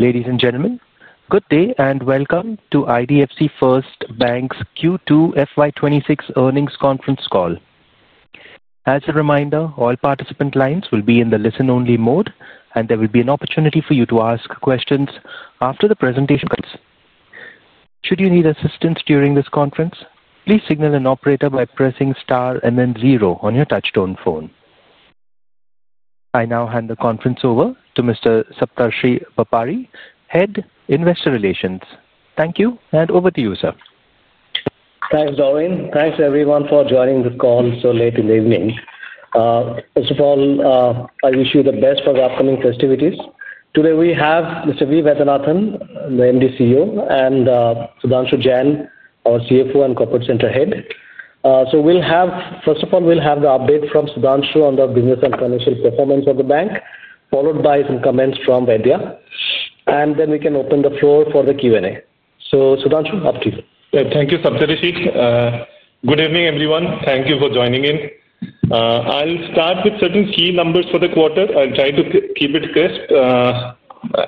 Ladies and gentlemen, good day and welcome to IDFC First Bank's Q2 FY 2026 earnings conference call. As a reminder, all participant lines will be in the listen-only mode, and there will be an opportunity for you to ask questions after the presentation conference. Should you need assistance during this conference, please signal an operator by pressing star and then zero on your touch-tone phone. I now hand the conference over to Mr. Saptarshi Bapari, Head of Investor Relations. Thank you, and over to you, sir. Thanks, Darleen. Thanks, everyone, for joining the call so late in the evening. First of all, I wish you the best for the upcoming festivities. Today we have Mr. V. Vaidyanathan, the MD & CEO, and Sudhanshu Jain, our CFO and Corporate Center Head. We'll have, first of all, the update from Sudhanshu on the business and financial performance of the bank, followed by some comments from Vaidya, and then we can open the floor for the Q&A. Sudhanshu, up to you. Thank you, Saptarshi. Good evening, everyone. Thank you for joining in. I'll start with certain key numbers for the quarter. I'll try to keep it crisp,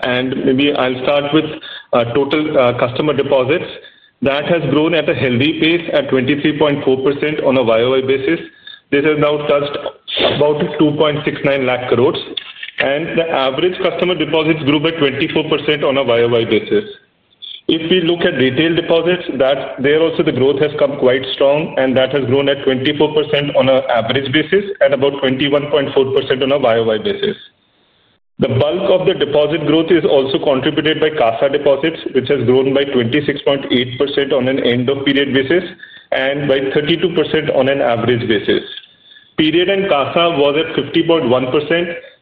and maybe I'll start with total customer deposits. That has grown at a healthy pace at 23.4% on a YoY basis. This has now touched about 2.69 lakh crores, and the average customer deposits grew by 24% on a YoY basis. If we look at retail deposits, that's there also the growth has come quite strong, and that has grown at 24% on an average basis and about 21.4% on a YoY basis. The bulk of the deposit growth is also contributed by CASA deposits, which has grown by 26.8% on an end-of-period basis and by 32% on an average basis. Period-end CASA was at 50.1%,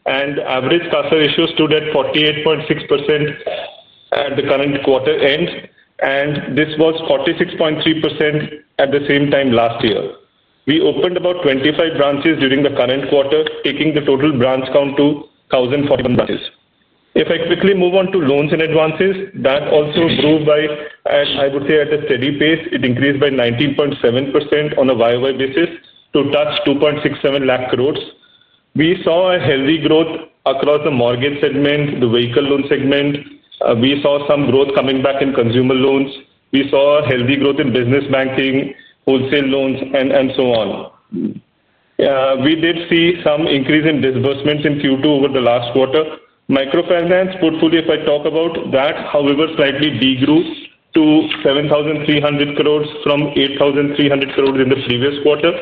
and average CASA ratio stood at 48.6% at the current quarter end, and this was 46.3% at the same time last year. We opened about 25 branches during the current quarter, taking the total branch count to 1,040 branches. If I quickly move on to loans and advances, that also grew by, I would say, at a steady pace. It increased by 19.7% on a YoY basis to touch 2.67 lakh crores. We saw a healthy growth across the mortgage segment, the vehicle loan segment. We saw some growth coming back in consumer loans. We saw a healthy growth in business banking, wholesale loans, and so on. We did see some increase in disbursements in Q2 over the last quarter. Microfinance portfolio, if I talk about that, however, slightly degrew to 7,300 crores from 8,300 crores in the previous quarter.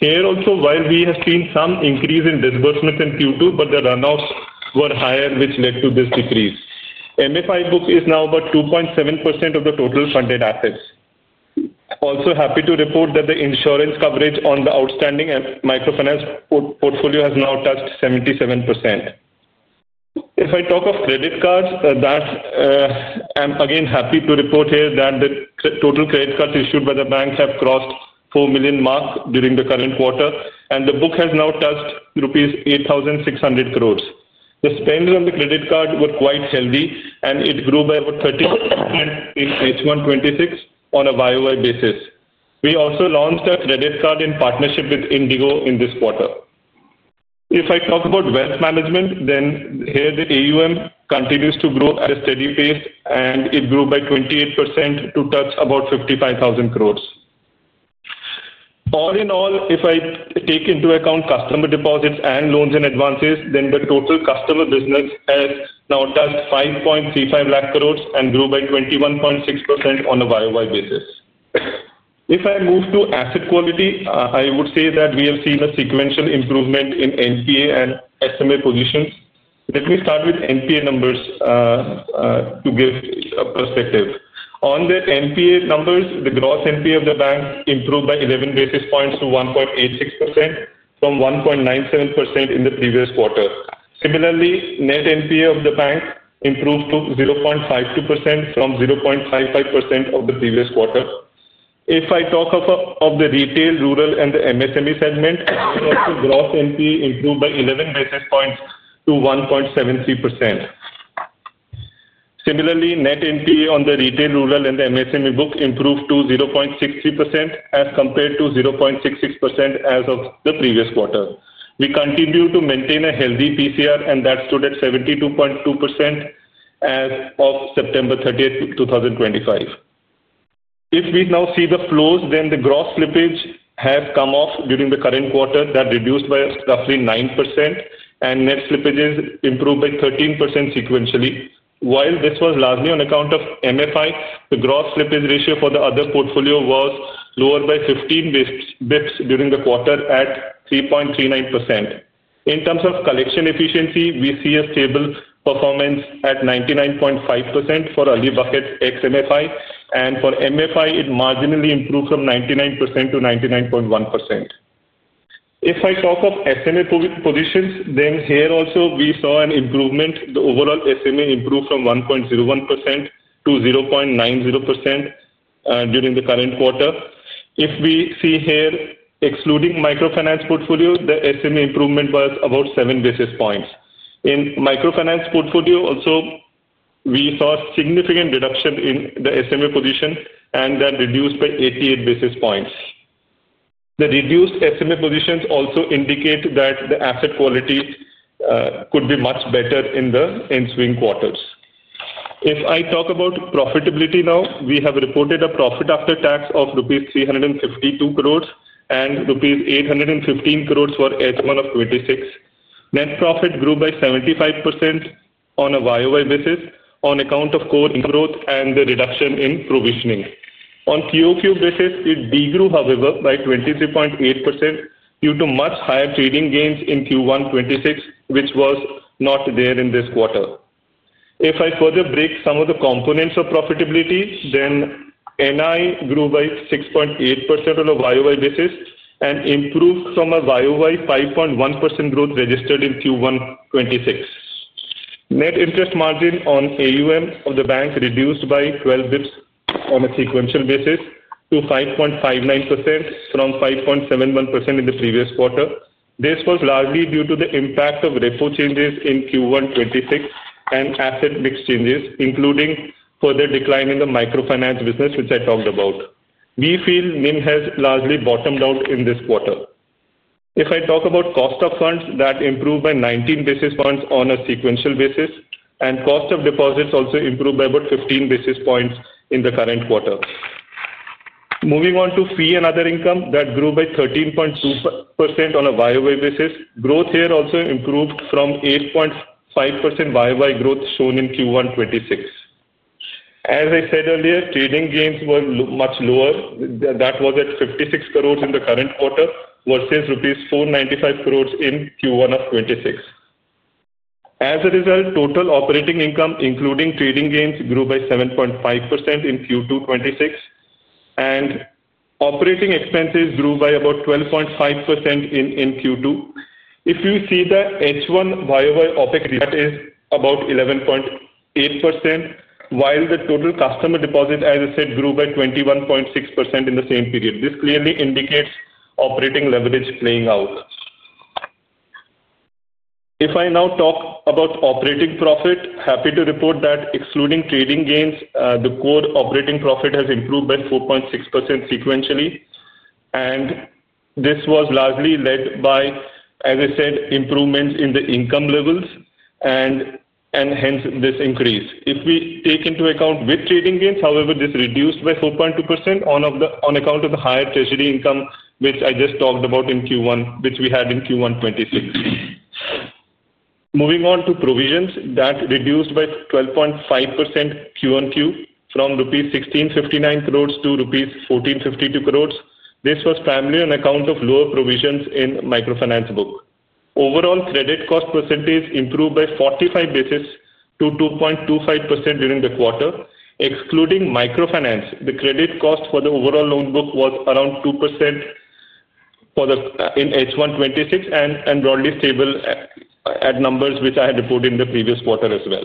Here also, while we have seen some increase in disbursements in Q2, but the runoffs were higher, which led to this decrease. MFI book is now about 2.7% of the total funded assets. Also, happy to report that the insurance coverage on the outstanding microfinance portfolio has now touched 77%. If I talk of credit cards, that, I'm again happy to report here that the total credit cards issued by the bank have crossed the 4 million mark during the current quarter, and the book has now touched rupees 8,600 crores. The spend on the credit card was quite healthy, and it grew by about 30% in H1-2026 on a YoY basis. We also launched a credit card in partnership with Indigo in this quarter. If I talk about wealth management, then here the AUM continues to grow at a steady pace, and it grew by 28% to touch about 55,000 crores. All in all, if I take into account customer deposits and loans and advances, then the total customer business has now touched 5.35 lakh crores and grew by 21.6% on a YoY basis. If I move to asset quality, I would say that we have seen a sequential improvement in NPA and SMA positions. Let me start with NPA numbers, to give a perspective. On the NPA numbers, the gross NPA of the bank improved by 11 bps to 1.86% from 1.97% in the previous quarter. Similarly, net NPA of the bank improved to 0.52% from 0.55% of the previous quarter. If I talk of the retail, rural, and the MSME segment, the gross NPA improved by 11 bps to 1.73%.O Similarly, net NPA on the retail, rural, and the MSME book improved to 0.63% as compared to 0.66% as of the previous quarter. We continue to maintain a healthy PCR, and that stood at 72.2% as of September 30, 2025. If we now see the flows, then the gross slippage has come off during the current quarter. That reduced by roughly 9%, and net slippages improved by 13% sequentially. While this was largely on account of microfinance, the gross slippage ratio for the other portfolio was lower by 15 bps during the quarter at 3.39%. In terms of collection efficiency, we see a stable performance at 99.5% for Alibaka's XMFI, and for microfinance, it marginally improved from 99%-99.1%. If I talk of SMA positions, then here also we saw an improvement. The overall SMA improved from 1.01%-0.90% during the current quarter. If we see here, excluding microfinance portfolio, the SMA improvement was about 7 bps. In microfinance portfolio also, we saw a significant reduction in the SMA position, and that reduced by 88 bps. The reduced SMA positions also indicate that the asset quality could be much better in the ensuing quarters. If I talk about profitability now, we have reported a profit after tax of rupees 352 crore and rupees 815 crore for H1 of 2026. Net profit grew by 75% on a YoY basis on account of core growth and the reduction in provisioning. On Q2 basis, it degrew, however, by 23.8% due to much higher trading gains in Q1 2026, which was not there in this quarter. If I further break some of the components of profitability, then NI grew by 6.8% on a YoY basis and improved from a YoY 5.1% growth registered in Q1 2026. Net interest margin on AUM of the bank reduced by 12 bps on a sequential basis to 5.59% from 5.71% in the previous quarter. This was largely due to the impact of repo changes in Q1 2026 and asset mix changes, including further decline in the microfinance business, which I talked about. We feel NIM has largely bottomed out in this quarter. If I talk about cost of funds, that improved by 19 basis points on a sequential basis, and cost of deposits also improved by about 15 basis points in the current quarter. Moving on to fee and other income, that grew by 13.2% on a YoY basis. Growth here also improved from 8.5% YoY growth shown in Q1 2026. As I said earlier, trading gains were much lower. That was at 56 crore in the current quarter versus rupees 495 crore in Q1 of 2026. As a result, total operating income, including trading gains, grew by 7.5% in Q2 2026, and operating expenses grew by about 12.5% in Q2. If you see the H1 YoY OpEx, that is about 11.8%, while the total customer deposit, as I said, grew by 21.6% in the same period. This clearly indicates operating leverage playing out. If I now talk about operating profit, happy to report that excluding trading gains, the core operating profit has improved by 4.6% sequentially, and this was largely led by, as I said, improvements in the income levels and hence this increase. If we take into account with trading gains, however, this reduced by 4.2% on account of the higher treasury income, which I just talked about in Q1, which we had in Q1 2026. Moving on to provisions, that reduced by 12.5% QoQ from rupees 1,659 crore to rupees 1,452 crore. This was primarily on account of lower provisions in the microfinance book. Overall credit cost percentage improved by 45 basis points to 2.25% during the quarter. Excluding microfinance, the credit cost for the overall loan book was around 2% in H1 2026 and broadly stable at numbers which I had reported in the previous quarter as well.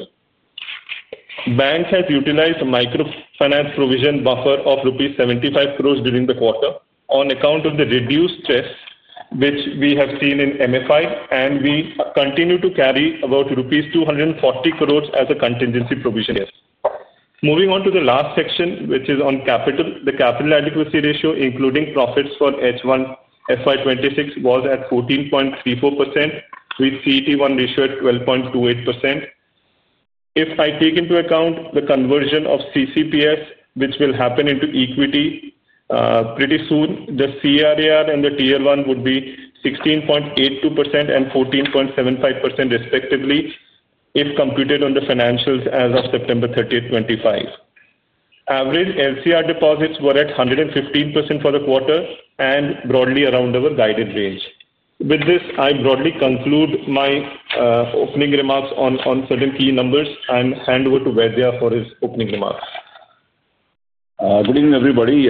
The bank has utilized a microfinance provision buffer of rupees 75 crore during the quarter on account of the reduced stress, which we have seen in MFI, and we continue to carry about rupees 240 crore as a contingency provision. Moving on to the last section, which is on capital, the capital adequacy ratio, including profits for H1 FY 2026, was at 14.34% with CET1 ratio at 12.28%. If I take into account the conversion of CCPS, which will happen into equity pretty soon, the CRAR and the Tier 1 would be 16.82% and 14.75% respectively if computed on the financials as of September 30, 2025. Average LCR deposits were at 115% for the quarter and broadly around our guided range. With this, I broadly conclude my opening remarks on certain key numbers and hand over to V. Vaidyanathan for his opening remarks. Good evening, everybody.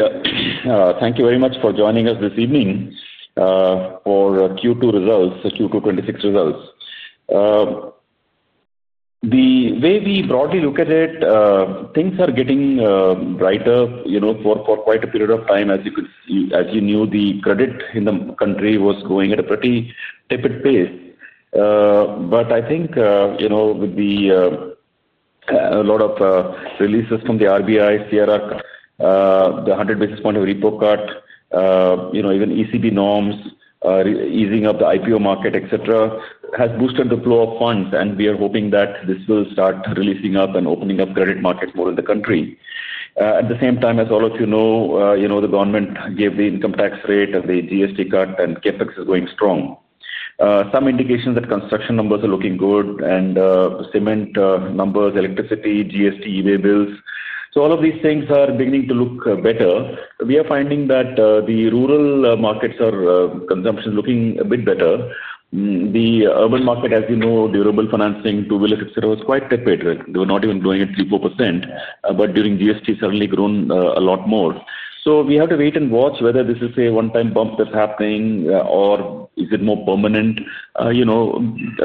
Thank you very much for joining us this evening for Q2 results, Q2 2026 results. The way we broadly look at it, things are getting brighter for quite a period of time. As you knew, the credit in the country was going at a pretty tepid pace. I think, you know, with a lot of releases from the RBI, CRR, the 100 basis point of repo cut, even ECB norms, easing of the IPO market, etc., has boosted the flow of funds, and we are hoping that this will start releasing up and opening up credit markets more in the country. At the same time, as all of you know, the government gave the income tax rate and the GST cut, and CapEx is going strong. Some indications that construction numbers are looking good and cement numbers, electricity, GST, EBIT bills. All of these things are beginning to look better. We are finding that the rural markets are consumption is looking a bit better. The urban market, as you know, durable financing, two-wheelers, etc., was quite tepid. They were not even growing at 3%, 4%, but during GST, suddenly grown a lot more. We have to wait and watch whether this is a one-time bump that's happening or is it more permanent. A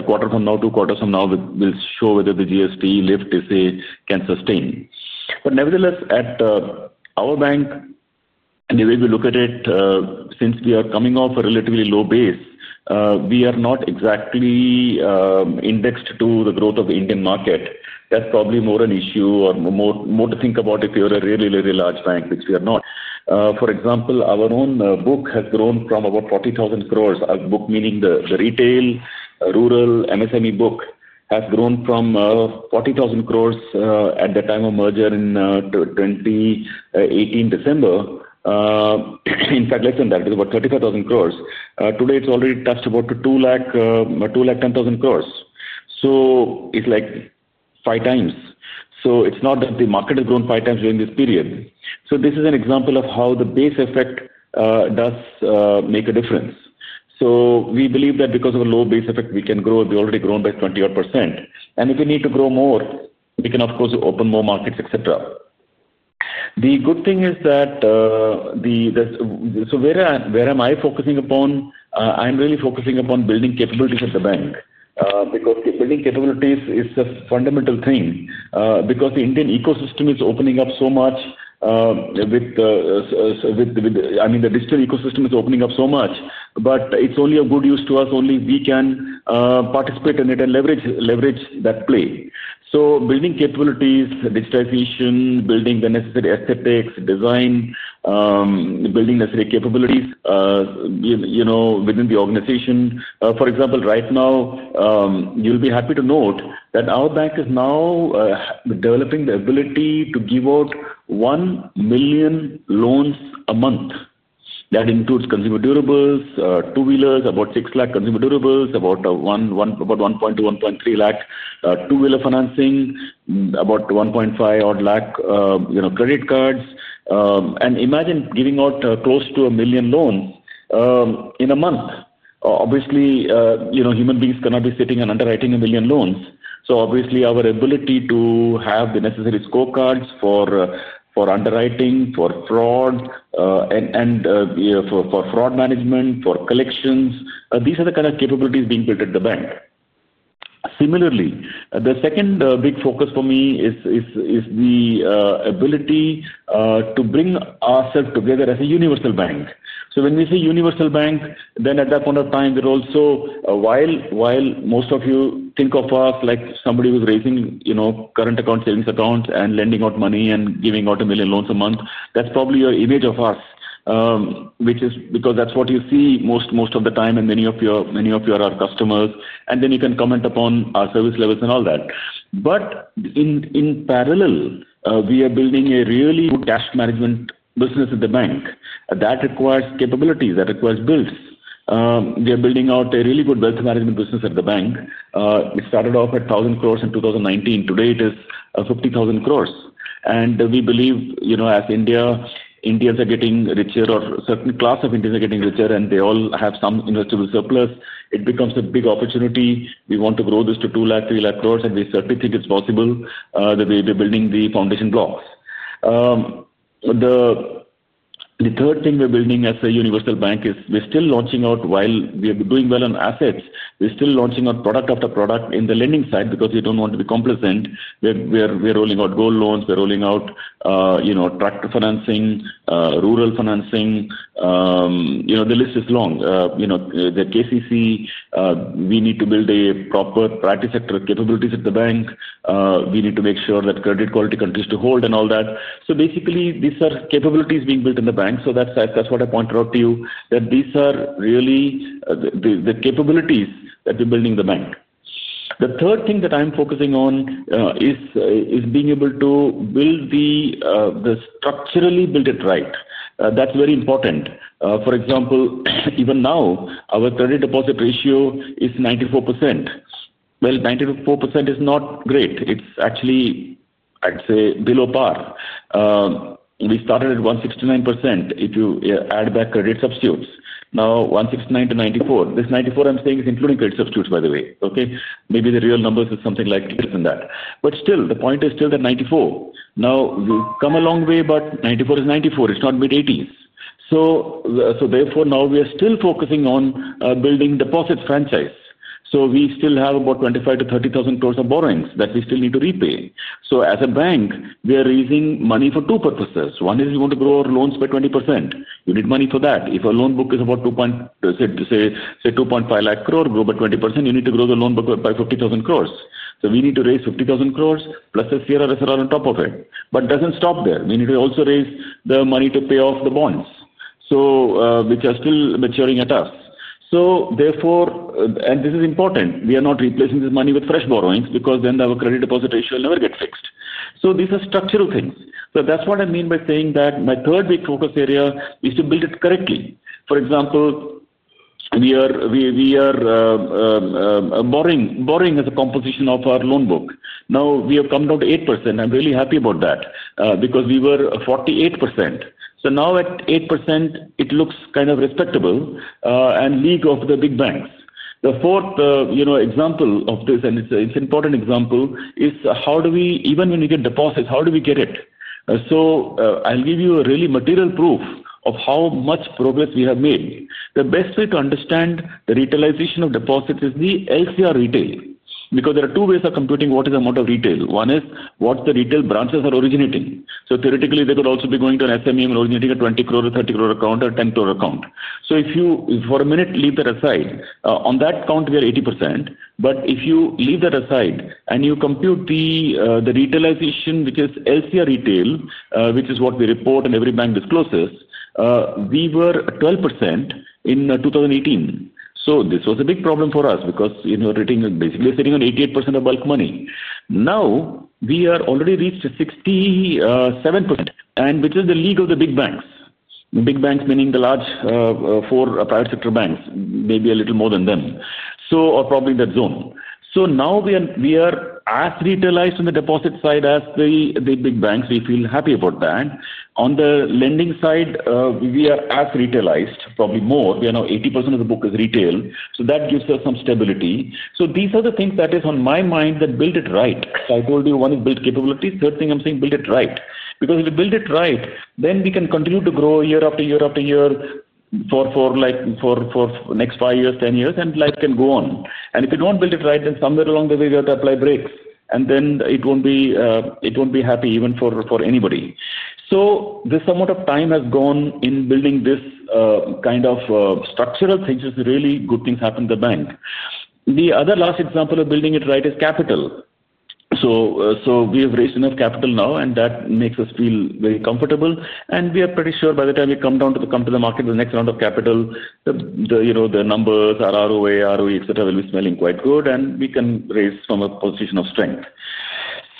quarter from now, two quarters from now, will show whether the GST lift can sustain. Nevertheless, at our bank, the way we look at it, since we are coming off a relatively low base, we are not exactly indexed to the growth of the Indian market. That's probably more an issue or more to think about if you're a really, really large bank, which we are not. For example, our own book has grown from about 40,000 crore. Our book, meaning the retail, rural, MSME book, has grown from 40,000 crore at the time of merger in 2018, December. In fact, less than that. It's about 35,000 crore. Today, it's already touched about 2,10,000 crore. It's like 5x. It's not that the market has grown 5x during this period. This is an example of how the base effect does make a difference. We believe that because of a low base effect, we can grow. We've already grown by 20-odd percentage. If we need to grow more, we can, of course, open more markets, etc. The good thing is that, so where am I focusing upon? I'm really focusing upon building capabilities at the bank, because building capabilities is a fundamental thing, because the Indian ecosystem is opening up so much, with, I mean, the digital ecosystem is opening up so much. It's only of good use to us if we can participate in it and leverage that play. Building capabilities, digitization, building the necessary aesthetics, design, building necessary capabilities within the organization. For example, right now, you'll be happy to note that our bank is now developing the ability to give out 1 million loans a month. That includes consumer durables, two-wheelers, about 600,000 consumer durables, about 120,000-130,000 two-wheeler financing, about 150,000-odd credit cards. Imagine giving out close to a million loans in a month. Obviously, human beings cannot be sitting and underwriting a million loans. Our ability to have the necessary scorecards for underwriting, for fraud, and for fraud management, for collections, these are the kind of capabilities being built at the bank. Similarly, the second big focus for me is the ability to bring ourselves together as a universal bank. When we say universal bank, at that point of time, we're also, while most of you think of us like somebody who's raising current accounts, savings accounts, and lending out money and giving out a million loans a month, that's probably your image of us, which is because that's what you see most of the time in many of our customers. You can comment upon our service levels and all that. In parallel, we are building a really good cash management business at the bank. That requires capabilities. That requires builds. We are building out a really good wealth management business at the bank. It started off at 1,000 crore in 2019. Today, it is 50,000 crore. We believe as India, Indians are getting richer or a certain class of Indians are getting richer and they all have some investable surplus, it becomes a big opportunity. We want to grow this to 200,000 crore, 300,000 crore, and we certainly think it's possible that we'll be building the foundation blocks. The third thing we're building as a universal bank is we're still launching out while we're doing well on assets. We're still launching out product after product on the lending side because we don't want to be complacent. We're rolling out gold loans. We're rolling out tractor financing, rural financing. The list is long. The KCC. We need to build proper practice sector capabilities at the bank. We need to make sure that credit quality continues to hold and all that. Basically, these are capabilities being built in the bank. That's what I pointed out to you, that these are really the capabilities that we're building in the bank. The third thing that I'm focusing on is being able to build the structurally built it right. That's very important. For example, even now, our credit-deposit ratio is 94%. 94% is not great. I'd say it's below par. We started at 169% if you add back credit substitutes. Now, 169 to 94. This 94 I'm saying is including credit substitutes, by the way. Maybe the real numbers are something like less than that. Still, the point is still that 94. Now we've come a long way, but 94 is 94. It's not mid-80s. Therefore, now we are still focusing on building deposits franchise. We still have about 25,000-30,000 crore of borrowings that we still need to repay. As a bank, we are raising money for two purposes. One is we want to grow our loans by 20%. We need money for that. If a loan book is about 2.5 lakh crore, grow by 20%, you need to grow the loan book by 50,000 crore. We need to raise 50,000+ crore the CRRSR on top of it. It doesn't stop there. We need to also raise the money to pay off the bonds, which are still maturing at us. Therefore, and this is important, we are not replacing this money with fresh borrowings because then our credit-deposit ratio will never get fixed. These are structural things. That's what I mean by saying that my third big focus area is to build it correctly. For example, we are borrowing as a composition of our loan book. Now we have come down to 8%. I'm really happy about that because we were 48%. Now at 8%, it looks kind of respectable and league of the big banks. The fourth example of this, and it's an important example, is how do we, even when we get deposits, how do we get it? I'll give you a really material proof of how much progress we have made. The best way to understand the retailization of deposits is the LCR retail because there are two ways of computing what is the amount of retail. One is what the retail branches are originating. Theoretically, they could also be going to an SME and originating a 20 crore or 30 crore account or a 10 crore account. If you, for a minute, leave that aside, on that count, we are 80%. If you leave that aside and you compute the retailization, which is LCR retail, which is what we report and every bank discloses, we were 12% in 2018. This was a big problem for us because we were basically sitting on 88% of bulk money. Now we have already reached 67%, which is the league of the big banks. Big banks, meaning the large four private sector banks, maybe a little more than them, so are probably in that zone. Now we are as retailized on the deposit side as the big banks. We feel happy about that. On the lending side, we are as retailized, probably more. We are now 80% of the book is- retail. That gives us some stability. These are the things that are on my mind that build it right. I told you one is build capabilities. Third thing I'm saying, build it right. If you build it right, then we can continue to grow year af-ter year after year for the next 5 years, 10 years, and life can go on. If you don't build it right, then somewhere along the way, we have to apply brakes. It won't be happy even for anybody. This amount of time has gone in building this kind of structural things. It's really good things happen at the bank. The other last example of building it right is capital. We have raised enough capital now, and that makes us feel very comfortable. We are pretty sure by the time we come to the market with the next round of capital, the numbers, our ROA, ROE, etc., will be smelling quite good, and we can raise from a position of strength.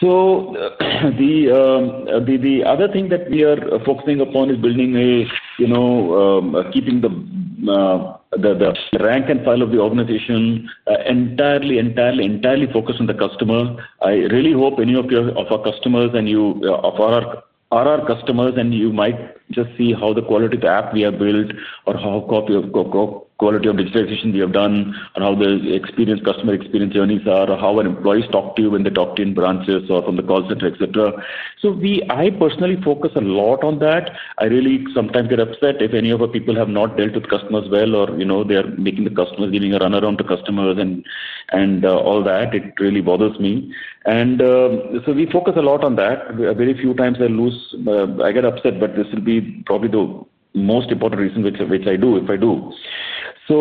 The other thing that we are focusing upon is keeping the rank and file of the organization entirely, entirely, entirely focused on the customer. I really hope any of our customers and you of our customers, and you might just see how the quality of the app we have built or how the quality of digitization we have done or how the customer experience journeys are or how our employees talk to you when they talk to you in branches or from the call center, etc. I personally focus a lot on that. I really sometimes get upset if any of our people have not dealt with customers well or they are giving a runaround to customers and all that. It really bothers me. We focus a lot on that. Very few times I get upset, but this will be probably the most important reason which I do if I do. We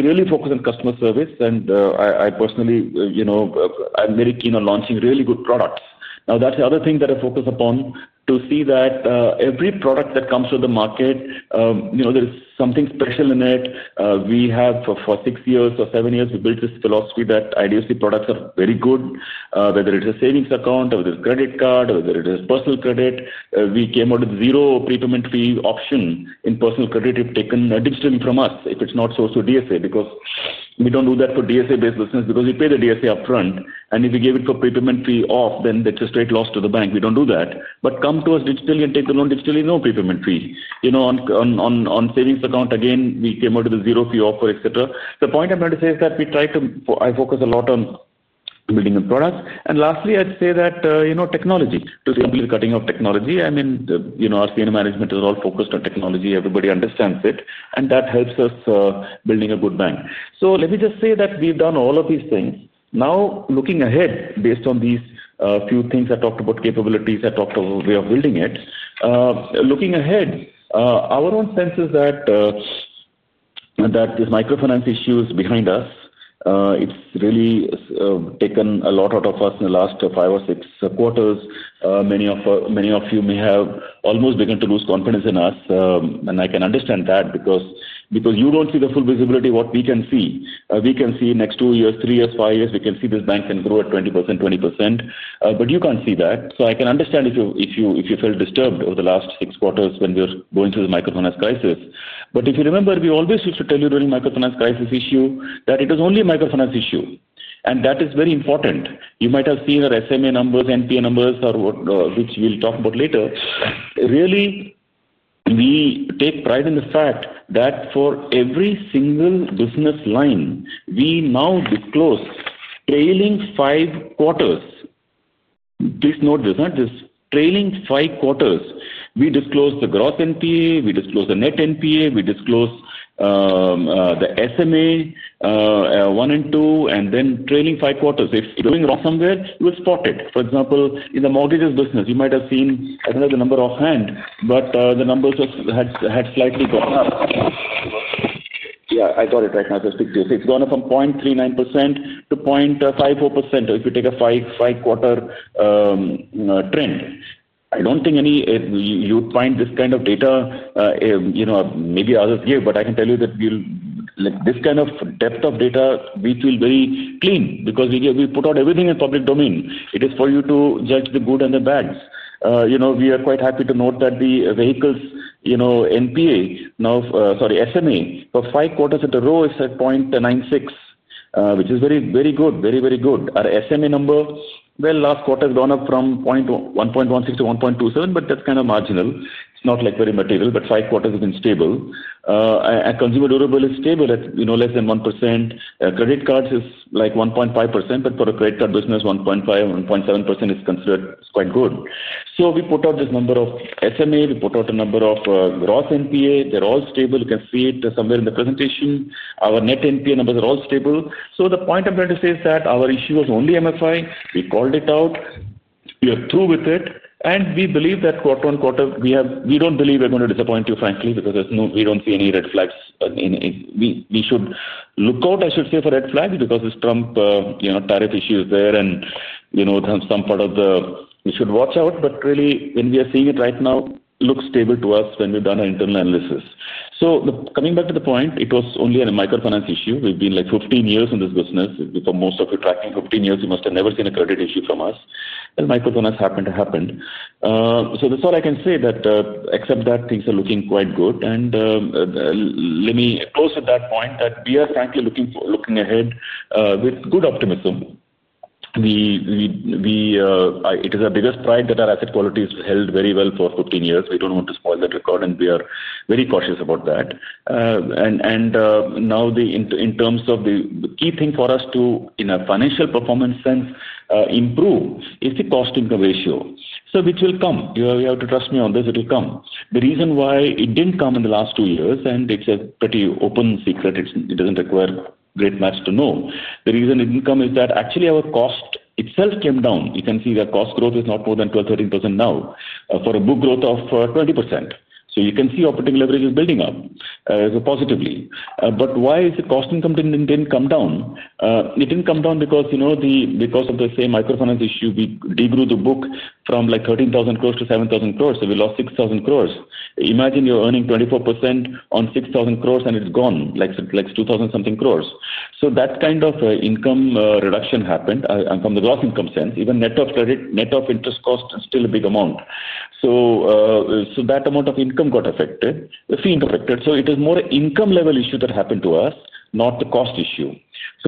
really focus on customer service, and I personally, you know, I'm very keen on launching really good products. That's the other thing that I focus upon to see that every product that comes to the market, you know, there is something special in it. We have for six years or seven years, we built this philosophy that IDFC First Bank products are very good, whether it's a savings account or whether it's a credit card or whether it is personal credit. We came out with zero prepayment fee option in personal credit if taken digitally from us if it's not sourced to DSA because we don't do that for DSA-based listeners because we pay the DSA upfront. If we gave it for prepayment fee off, then it's a straight loss to the bank. We don't do that. Come to us digitally and take the loan digitally, no prepayment fee. On savings account, again, we came out with a zero fee offer, et cetera. The point I'm trying to say is that we try to, I focus a lot on building a product. Lastly, I'd say that, you know, technology, to simply the cutting of technology. I mean, you know, our Senior Management is all focused on technology. Everybody understands it. That helps us building a good bank. Let me just say that we've done all of these things. Now looking ahead based on these few things I talked about, capabilities, I talked about a way of building it. Looking ahead, our own sense is that there's microfinance issues behind us. It's really taken a lot out of us in the last five or six quarters. Many of you may have almost begun to lose confidence in us. I can understand that because you don't see the full visibility of what we can see. We can see next two years, three years, five years, we can see this bank can grow at 20%, 20%. You can't see that. I can understand if you felt disturbed over the last six quarters when we were going through the microfinance crisis. If you remember, we always used to tell you during the microfinance crisis issue that it was only a microfinance issue. That is very important. You might have seen our SMA numbers, NPA numbers, which we'll talk about later. We take pride in the fact that for every single business line, we now disclose trailing five quarters. Please note this, not this. Trailing five quarters. We disclose the gross NPA, we disclose the net NPA, we disclose the SMA one and two, and then trailing five quarters. If you're going wrong somewhere, we'll spot it. For example, in the mortgages business, you might have seen, I don't know the number offhand, but the numbers have had slightly gone up. Yeah, I got it right now. It's gone up from 0.39%-0.54% if you take a five-quarter trend. I don't think you'd find this kind of data, you know, maybe others give, but I can tell you that with this kind of depth of data, we feel very clean because we put out everything in the public domain. It is for you to judge the good and the bads. We are quite happy to note that the vehicles, you know, NPA now, sorry, SMA for five quarters in a row is at 0.96%, which is very, very good, very, very good. Our SMA number last quarter has gone up from 0.16%-1.27%, but that's kind of marginal. It's not like very material, but five quarters has been stable. A consumer durable is stable at less than 1%. Credit cards is like 1.5%, but for a credit card business, 1.5%, 1.7% is considered quite good. We put out this number of SMA. We put out a number of gross NPA. They're all stable. You can see it somewhere in the presentation. Our net NPA numbers are all stable. The point I'm trying to say is that our issue was only MFI. We called it out. We are through with it. We believe that quarter on quarter, we have, we don't believe we're going to disappoint you, frankly, because we don't see any red flags. We should look out, I should say, for red flags because this Trump tariff issue is there and, you know, some part of the we should watch out. Really, when we are seeing it right now, it looks stable to us when we've done our internal analysis. Coming back to the point, it was only a microfinance issue. We've been like 15 years in this business. If most of you tracking 15 years, you must have never seen a credit issue from us. Microfinance happened to happen. That's all I can say, except that things are looking quite good. Let me close with that point that we are frankly looking ahead with good optimism. It is our biggest pride that our asset quality is held very well for 15 years. We don't want to spoil that record, and we are very cautious about that. Now, in terms of the key thing for us to, in a financial performance sense, improve, is the cost-income ratio, which will come. You have to trust me on this. It will come. The reason why it didn't come in the last two years, and it's a pretty open secret. It doesn't require great much to know. The reason it didn't come is that actually our cost itself came down. You can see that cost growth is not more than 12% or 13% now for a book growth of 20%. You can see operating leverage is building up positively. Why is the cost income didn't come down? It didn't come down because, you know, because of the same microfinance issue, we degrew the book from like 13,000 crore-7,000 crore. We lost 6,000 crore. Imagine you're earning 24% on 6,000 crore, and it's gone like 2,000 something crore. That kind of income reduction happened from the gross income sense. Even net of credit, net of interest cost is still a big amount. That amount of income got affected. The fee got affected. It is more an income level issue that happened to us, not the cost issue.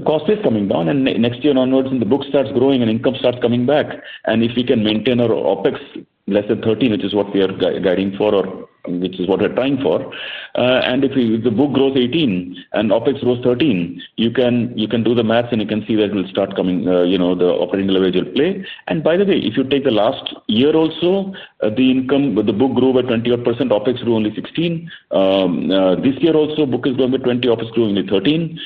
Cost is coming down, and next year onwards, the book starts growing and income starts coming back. If we can maintain our OpEx less than 13, which is what we are guiding for or which is what we're trying for, and if the book grows 18 and OpEx grows 13, you can do the maths and you can see that it will start coming, you know, the operating leverage will play. By the way, if you take the last year also, the income, the book grew by 20% odd, OpEx grew only 16. This year also, book is growing by 20, OpEx grew only 13.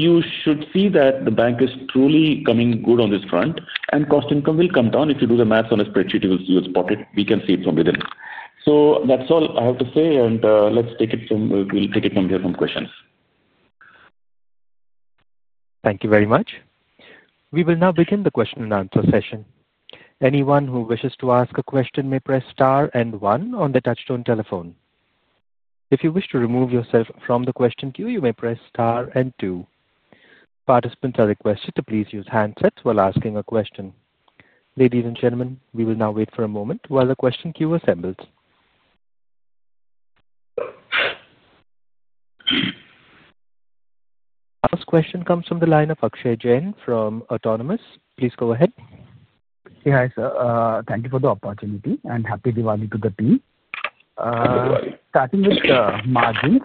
You should see that the bank is truly coming good on this front, and cost income will come down. If you do the maths on a spreadsheet, you'll spot it. We can see it from within. That's all I have to say, and let's take it from here from questions. Thank you very much. We will now begin the question-and-answer session. Anyone who wishes to ask a question may press star and one on the touchstone telephone. If you wish to remove yourself from the question queue, you may press star and two. Participants are requested to please use handsets while asking a question. Ladies and gentlemen, we will now wait for a moment while the question queue assembles. Our first question comes from the line of Akshay Jain from Autonomous. Please go ahead. Hey, hi, sir. Thank you for the opportunity and happy Diwali to the team. Starting with margins,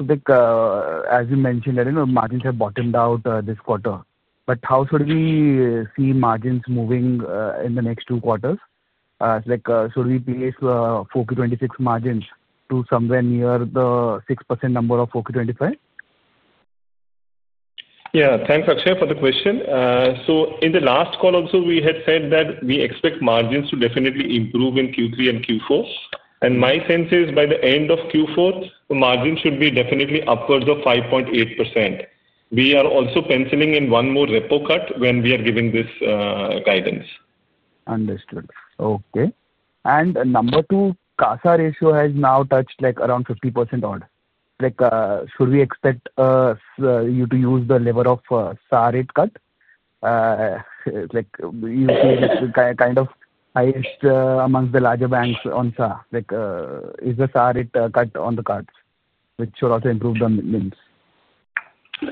as you mentioned, I don't know if margins have bottomed out this quarter, but how should we see margins moving in the next two quarters? Should we place 4Q 2026 margins to somewhere near the 6% number of 4Q 2025? Yeah, thanks, Akshay, for the question. In the last call also, we had said that we expect margins to definitely improve in Q3 and Q4. My sense is by the end of Q4, the margins should be definitely upwards of 5.8%. We are also penciling in one more repo cut when we are giving this guidance. Understood. Okay. Number two, CASA ratio has now touched like around 50% odd. Should we expect you to use the lever of SA rate cut? You see kind of highest amongst the larger banks on SA. Is the SA rate cut on the cards, which should also improve the NIMs?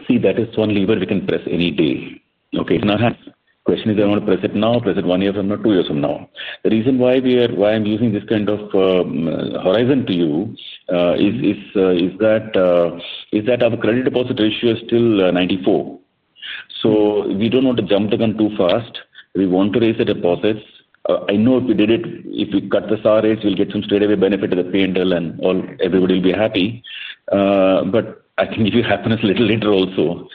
See, that is one lever we can press any day. Now the question is, do I want to press it now, press it one year from now, two years from now? The reason why I'm using this kind of horizon to you is that our credit-deposit ratio is still 94%. We don't want to jump the gun too fast. We want to raise the deposits. I know if we did it, if we cut the SAR rates, we'll get some straight-away benefit to the P&L and all, and everybody will be happy. I can give you happiness a little later also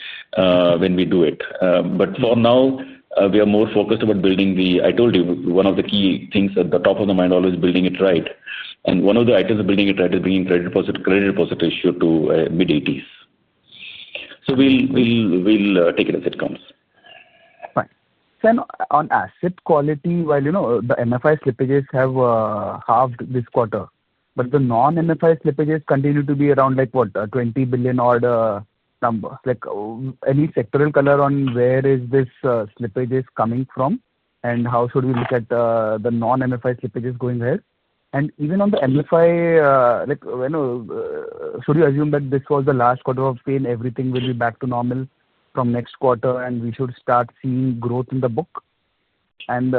when we do it. For now, we are more focused about building the, I told you, one of the key things at the top of the mind always is building it right. One of the items of building it right is bringing credit-deposit ratio to mid-80s. We'll take it as it comes. On asset quality, you know the microfinance portfolio slippages have halved this quarter, but the non-microfinance portfolio slippages continue to be around 20 billion. Any sectoral color on where this slippage is coming from and how should we look at the non-microfinance portfolio slippages going ahead? Even on the microfinance portfolio, should you assume that this was the last quarter of pain, everything will be back to normal from next quarter and we should start seeing growth in the book and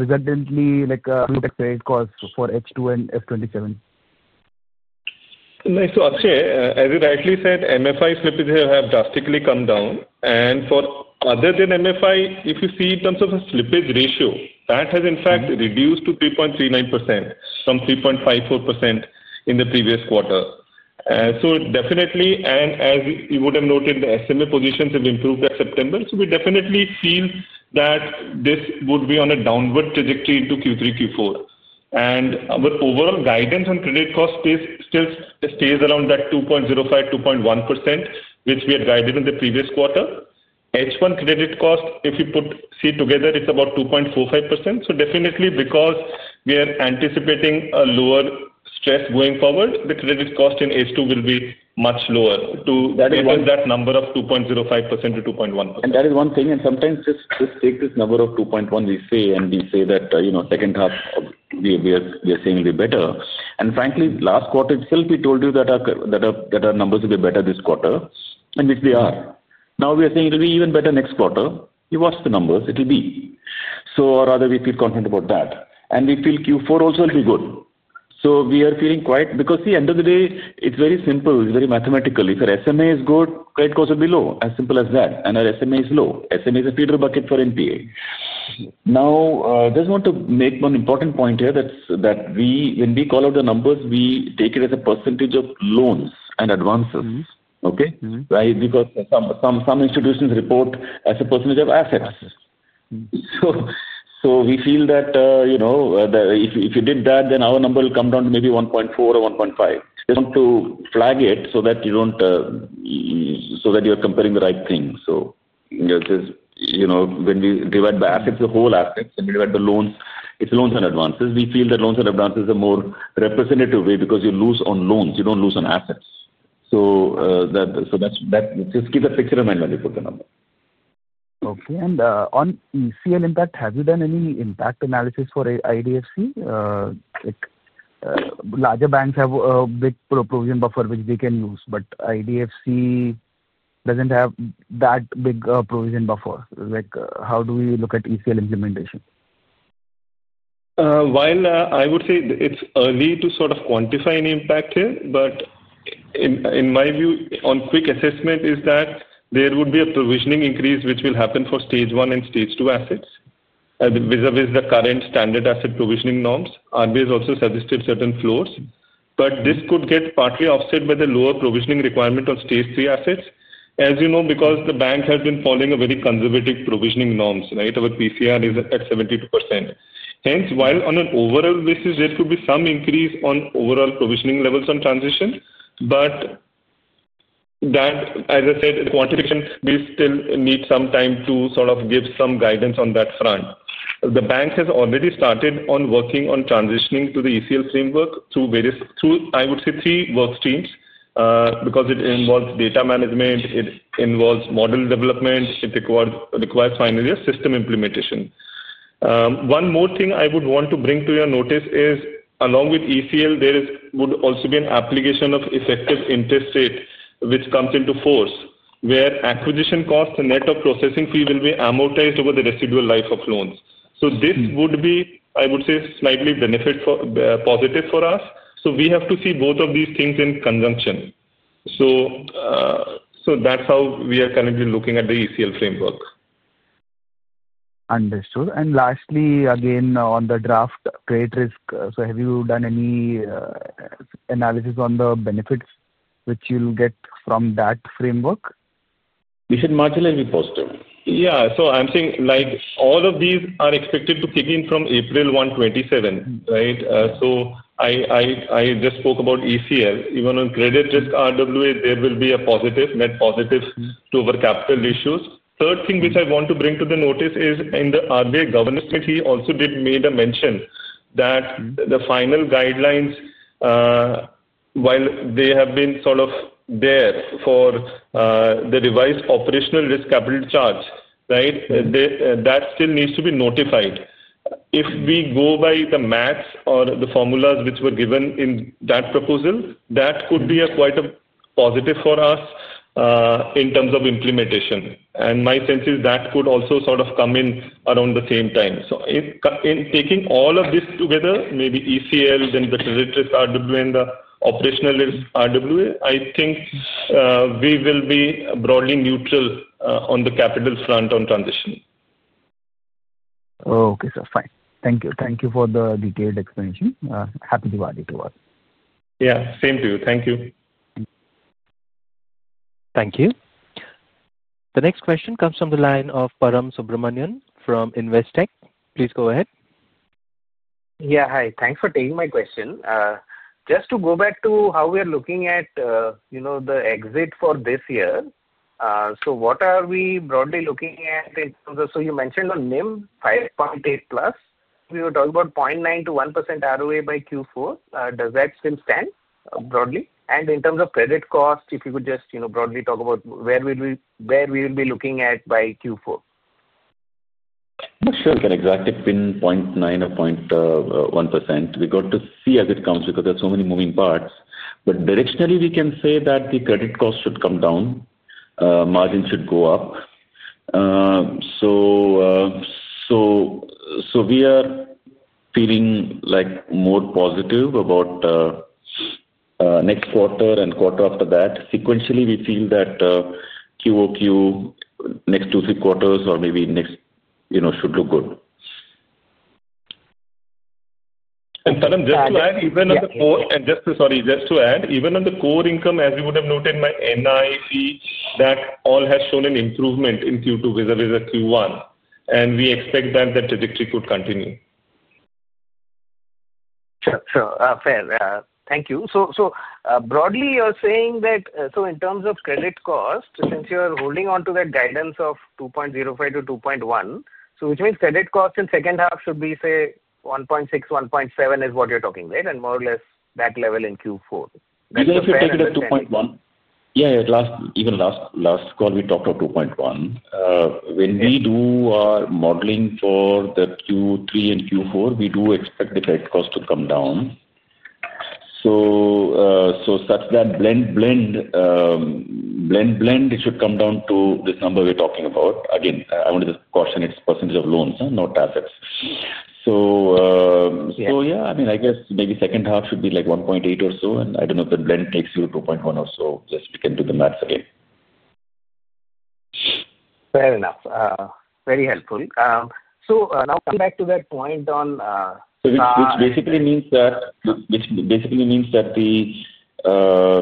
resultantly a good X-ray scores for H2 and FY 2027? Akshay, as you rightly said, MFI slippage has drastically come down. For other than MFI, if you see in terms of a slippage ratio, that has in fact reduced to 3.39% from 3.54% in the previous quarter. You would have noted the SMA positions have improved at September. We definitely feel that this would be on a downward trajectory into Q3, Q4. Our overall guidance on credit cost still stays around that 2.05%, 2.1%, which we had guided in the previous quarter. H1 credit cost, if you put C together, it's about 2.45%. We are anticipating a lower stress going forward, so the credit cost in H2 will be much lower to increase that number of 2.05% to 2.1%. That is one thing. Sometimes just take this number of 2.1 we say and we say that, you know, second half we are saying will be better. Frankly, last quarter itself, we told you that our numbers will be better this quarter, and which they are. Now we are saying it will be even better next quarter. You watch the numbers, it will be. Rather, we feel confident about that. We feel Q4 also will be good. We are feeling quite, because see, at the end of the day, it's very simple. It's very mathematical. If your SMA is good, credit costs will be low. As simple as that. Our SMA is low. SMA is a feeder bucket for NPA. I just want to make one important point here that when we call out the numbers, we take it as a percentage of loans and advances. Some institutions report as a percentage of assets. We feel that, you know, if you did that, then our number will come down to maybe 1.4 or 1.5. Just want to flag it so that you don't, so that you're comparing the right thing. You know, when we divide by assets, the whole assets, and we divide by loans, it's loans and advances. We feel that loans and advances are a more representative way because you lose on loans. You don't lose on assets. That, that's that. Just keep that picture in mind when you put the number. Okay. On ECL impact, have you done any impact analysis for IDFC First Bank? Larger banks have a big provision buffer which they can use, but IDFC First Bank doesn't have that big provision buffer. How do we look at ECL implementation? I would say it's early to sort of quantify an impact here, but in my view on quick assessment is that there would be a provisioning increase which will happen for stage one and stage two assets vis-à-vis the current standard asset provisioning norms. RBI has also suggested certain floors. This could get partly offset by the lower provisioning requirement on stage three assets. As you know, because the bank has been following very conservative provisioning norms, right? Our PCR is at 72%. Hence, while on an overall basis, there could be some increase on overall provisioning levels on transition, as I said, the quantitation will still need some time to sort of give some guidance on that front. The bank has already started working on transitioning to the ECL framework through, I would say, three work streams because it involves data management, it involves model development, and it requires finally a system implementation. One more thing I would want to bring to your notice is along with ECL, there would also be an application of effective interest rate which comes into force where acquisition costs and net of processing fee will be amortized over the residual life of loans. This would be, I would say, slightly benefit for positive for us. We have to see both of these things in conjunction. That's how we are currently looking at the ECL framework. Understood. Lastly, again, on the draft credit risk, have you done any analysis on the benefits which you'll get from that framework? We should marginally be positive. Yeah. I'm saying like all of these are expected to kick in from April 1, 2027, right? I just spoke about ECL. Even on credit risk RWA, there will be a net positive to overcapital issues. Third thing which I want to bring to the notice is in the RBI governance, he also did make a mention that the final guidelines, while they have been sort of there for the revised operational risk capital charge, that still needs to be notified. If we go by the maths or the formulas which were given in that proposal, that could be quite a positive for us in terms of implementation. My sense is that could also sort of come in around the same time. Taking all of this together, maybe ECL, then the credit risk RWA, and the operational risk RWA, I think we will be broadly neutral on the capital front on transition. Okay, sir. Fine. Thank you. Thank you for the detailed explanation. Happy Diwali to us. Yeah, same to you. Thank you. to 2.1%. Thank you. The next question comes from the line of Param Subramanian from Investec. Please go ahead. Yeah, hi. Thanks for taking my question. Just to go back to how we are looking at the exit for this year. What are we broadly looking at in terms of, you mentioned on NIM 5.8%+, we were talking about 0.9% to 1% ROA by Q4. Does that still stand broadly? In terms of credit cost, if you could just broadly talk about where we will be looking at by Q4. I'm not sure I can exactly pin 0.9% or 0.1%. We got to see as it comes because there are so many moving parts. Directionally, we can say that the credit cost should come down. Margins should go up. We are feeling like more positive about next quarter and quarter after that. Sequentially, we feel that QoQ next two, three quarters or maybe next, you know, should look good. Just to add, even on the core income, as you would have noted in my NI fee, that all has shown an improvement in Q2 vis-à-vis Q1. We expect that the trajectory could continue. Fair. Thank you. Broadly, you're saying that in terms of credit cost, since you're holding on to that guidance of 2.05%-2.1%, which means credit cost in the second half should be, say, 1.6%-1.7% is what you're talking about, and more or less that level in Q4. Even if you take it at 2.1. Last call, we talked about 2.1. When we do our modeling for Q3 and Q4, we do expect the credit cost to come down. Such that blend, it should come down to this number we're talking about. Again, I wanted to caution it's percentage of loans, not assets. I mean, I guess maybe second half should be like 1.8 or so. I don't know if the blend takes you to 2.1 or so. We can do the maths again. Fair enough. Very helpful. Now come back to that point on. That basically means that the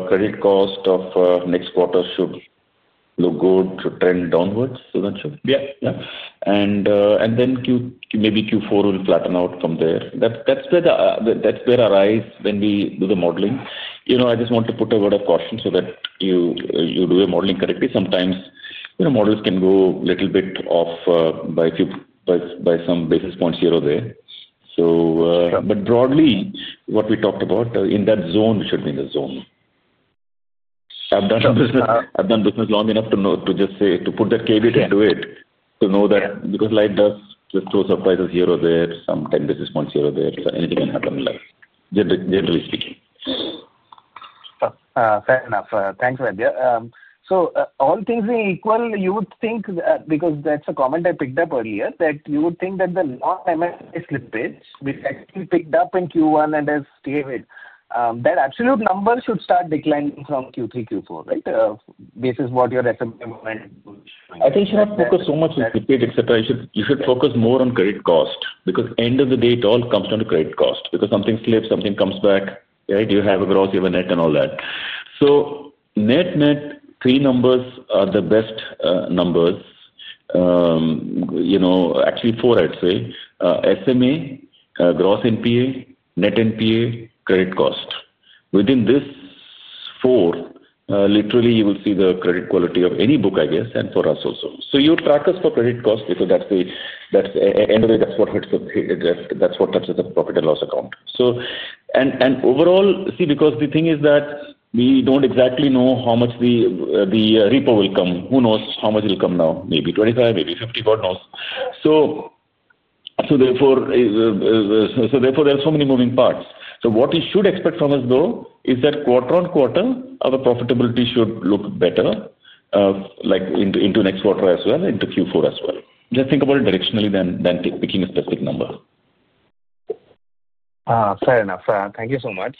credit cost of next quarter should look good to trend downwards. That should, yeah, and maybe Q4 will flatten out from there. That's where the arise when we do the modeling. I just want to put a word of caution so that you do the modeling correctly. Sometimes, you know, models can go a little bit off by a few basis points here or there. Broadly, what we talked about in that zone should be in the zone. I've done business long enough to know, to just say, to put that caveat into it, to know that because life does just throw surprises here or there, some 10 basis points here or there. Anything can happen in life, generally speaking. Fair enough. Thanks, Vaidya. All things being equal, you would think that because that's a comment I picked up earlier, you would think that the non-MFI slippage, which actually picked up in Q1 and has stayed with that absolute number, should start declining from Q3, Q4, right? Basis what your estimate? I think you should not focus so much on slippage, etc. You should focus more on credit cost because at the end of the day, it all comes down to credit cost because something slips, something comes back, right? You have a gross, you have a net, and all that. Net, net, three numbers are the best numbers. You know, actually four, I'd say. SMA, gross NPA, net NPA, credit cost. Within this four, literally, you will see the credit quality of any book, I guess, and for us also. You would track us for credit cost because that's the end of the day, that's what touches the profit and loss account. Overall, see, because the thing is that we don't exactly know how much the repo will come. Who knows how much it'll come now? Maybe 25, maybe 50, God knows. Therefore, there are so many moving parts. What you should expect from us, though, is that quarter on quarter, our profitability should look better, like into next quarter as well, into Q4 as well. Just think about it directionally than picking a specific number. Fair enough. Thank you so much.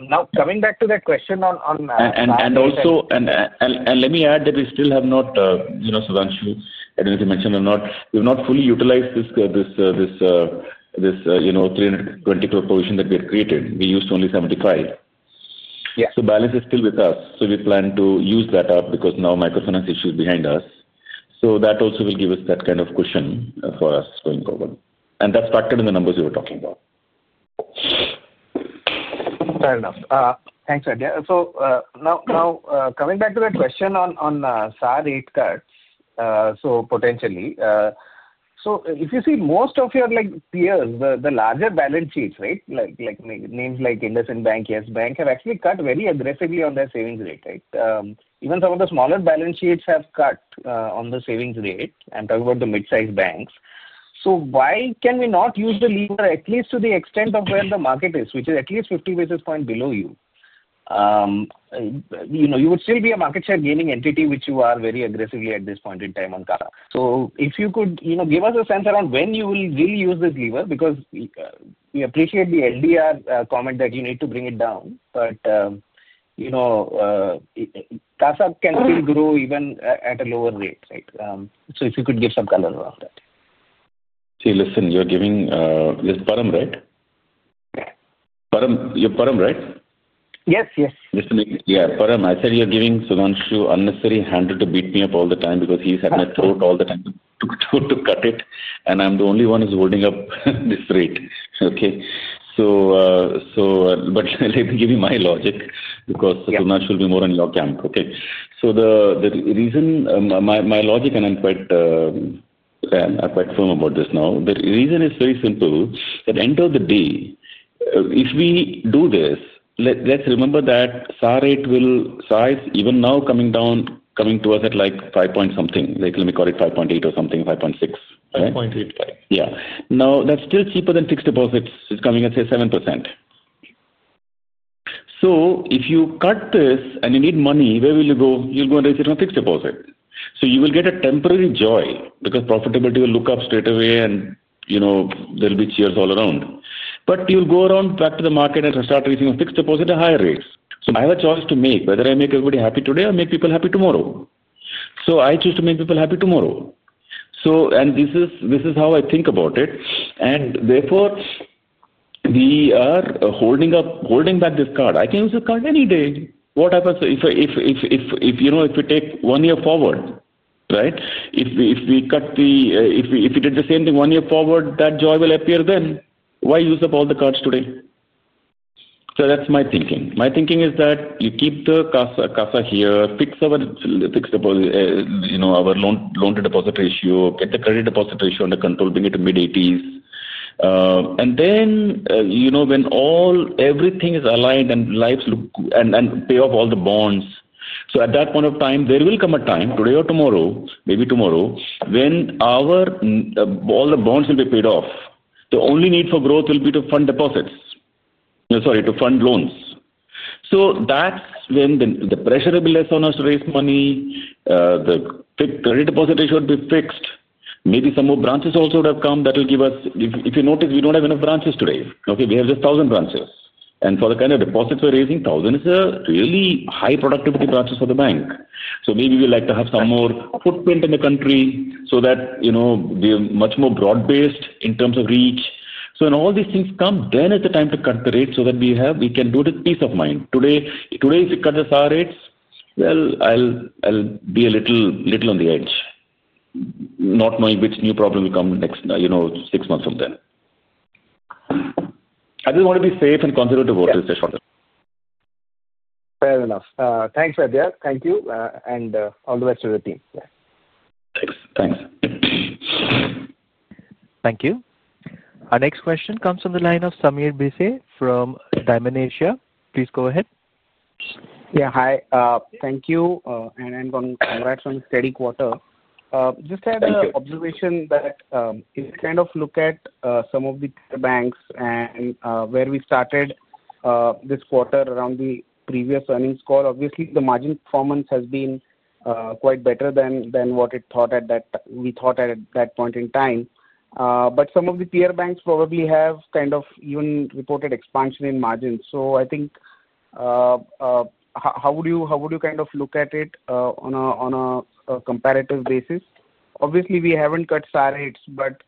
Now coming back to that question on. Let me add that we still have not, you know, Sudhanshu, I don't know if you mentioned, we've not fully utilized this 320 crore provision that we had created. We used only 75 crore. The balance is still with us. We plan to use that up because now microfinance issues are behind us. That also will give us that kind of cushion for us going forward. That's factored in the numbers you were talking about. Fair enough. Thanks, Ajay. Now, coming back to that question on SAR rate cuts, potentially, if you see most of your peers, the larger balance sheets, names like IndusInd Bank, Yes Bank, have actually cut very aggressively on their savings rate. Even some of the smaller balance sheets have cut on the savings rate, and talking about the mid-sized banks, why can we not use the lever at least to the extent of where the market is, which is at least 50 bps below you? You would still be a market share gaining entity, which you are very aggressively at this point in time on CASA. If you could give us a sense around when you will really use this lever, because we appreciate the LDR comment that you need to bring it down, but CASA can still grow even at a lower rate, right? If you could give some color around that. See, listen, you're giving this, Param, right? Yeah. Param, you're Param, right? Yes, yes. Listen, yeah, Param, I said you're giving Sudhanshu unnecessary handle to beat me up all the time because he's had my throat all the time to cut it, and I'm the only one who's holding up this rate, okay? Let me give you my logic because Sudhanshu will be more in your camp, okay? The reason, my logic, and I'm quite firm about this now, the reason is very simple. At the end of the day, if we do this, let's remember that SAR rate will, SAR is even now coming down, coming to us at like 5 point something. Let me call it 5.8 or something, 5.6, right? 5.8. Yeah. Now, that's still cheaper than fixed deposits. It's coming at, say, 7%. If you cut this and you need money, where will you go? You'll go and raise it on a fixed deposit. You will get a temporary joy because profitability will look up straight away and, you know, there'll be cheers all around. You'll go back to the market and start raising a fixed deposit at higher rates. I have a choice to make whether I make everybody happy today or make people happy tomorrow. I choose to make people happy tomorrow. This is how I think about it. Therefore, we are holding back this card. I can use the card any day. What happens if, you know, if we take one year forward, right? If we did the same thing one year forward, that joy will appear then. Why use up all the cards today? That's my thinking. My thinking is that you keep the CASA here, fix our fixed deposit, you know, our loan-to-deposit ratio, get the credit-deposit ratio under control, bring it to mid-80s. When everything is aligned and lives look good and pay off all the bonds, at that point of time, there will come a time, today or tomorrow, maybe tomorrow, when all the bonds will be paid off. The only need for growth will be to fund deposits, you know, sorry, to fund loans. That's when the pressure will be less on us to raise money. The fixed credit-deposit ratio would be fixed. Maybe some more branches also would have come that will give us, if you notice, we don't have enough branches today. We have just 1,000 branches. For the kind of deposits we're raising, 1,000 is a really high productivity branch for the bank. Maybe we'd like to have some more footprint in the country so that we're much more broad-based in terms of reach. When all these things come, then it's the time to cut the rates so that we can do it with peace of mind. Today, if we cut the SAR rates, I'll be a little on the edge, not knowing which new problem will come next, you know, six months from then. I just want to be safe and conservative about this issue. Fair enough. Thanks, Ajay. Thank you and all the best to the team. Thanks. Thanks. Thank you. Our next question comes from the line of Sameer Bhise from Dymon Asia. Please go ahead. Yeah, hi. Thank you. I'm going to congratulate you on a steady quarter. Just had an observation that if you kind of look at some of the banks and where we started this quarter around the previous earnings call, obviously, the margin performance has been quite better than what we thought at that point in time. Some of the peer banks probably have kind of even reported expansion in margins. I think how would you kind of look at it on a comparative basis? Obviously, we haven't cut CASA rates, but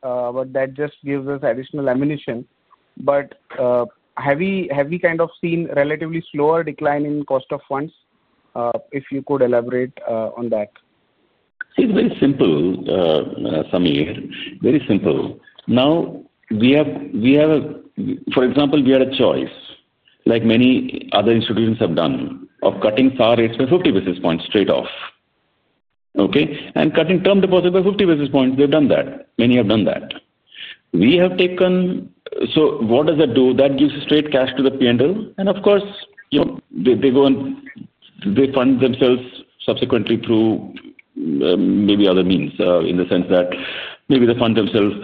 that just gives us additional ammunition. Have we kind of seen a relatively slower decline in cost of funds? If you could elaborate on that. See, it's very simple, Sameer. Very simple. Now, we have, for example, we had a choice, like many other institutions have done, of cutting CASA rates by 50 basis points straight off, okay? And cutting term deposits by 50 basis points, they've done that. Many have done that. We have taken, so what does that do? That gives straight cash to the P&L. Of course, you know, they go and they fund themselves subsequently through maybe other means in the sense that maybe they fund themselves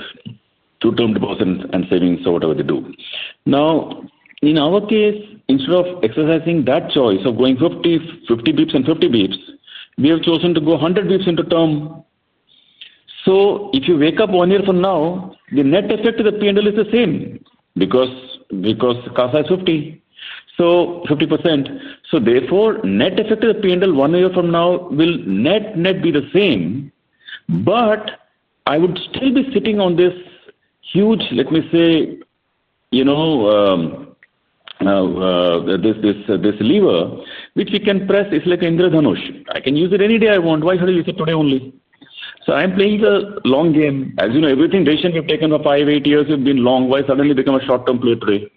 through term deposits and savings or whatever they do. In our case, instead of exercising that choice of going 50 bps and 50 bps, we have chosen to go 100 bps into term. If you wake up one year from now, the net effect to the P&L is the same because CASA is 50, so 50%. Therefore, net effect to the P&L one year from now will net net be the same. I would still be sitting on this huge, let me say, you know, this lever, which we can press. It's like an Indra Danush. I can use it any day I want. Why should I use it today only? I'm playing the long game. As you know, every decision we've taken for five, eight years, we've been long. Why suddenly become a short-term play today?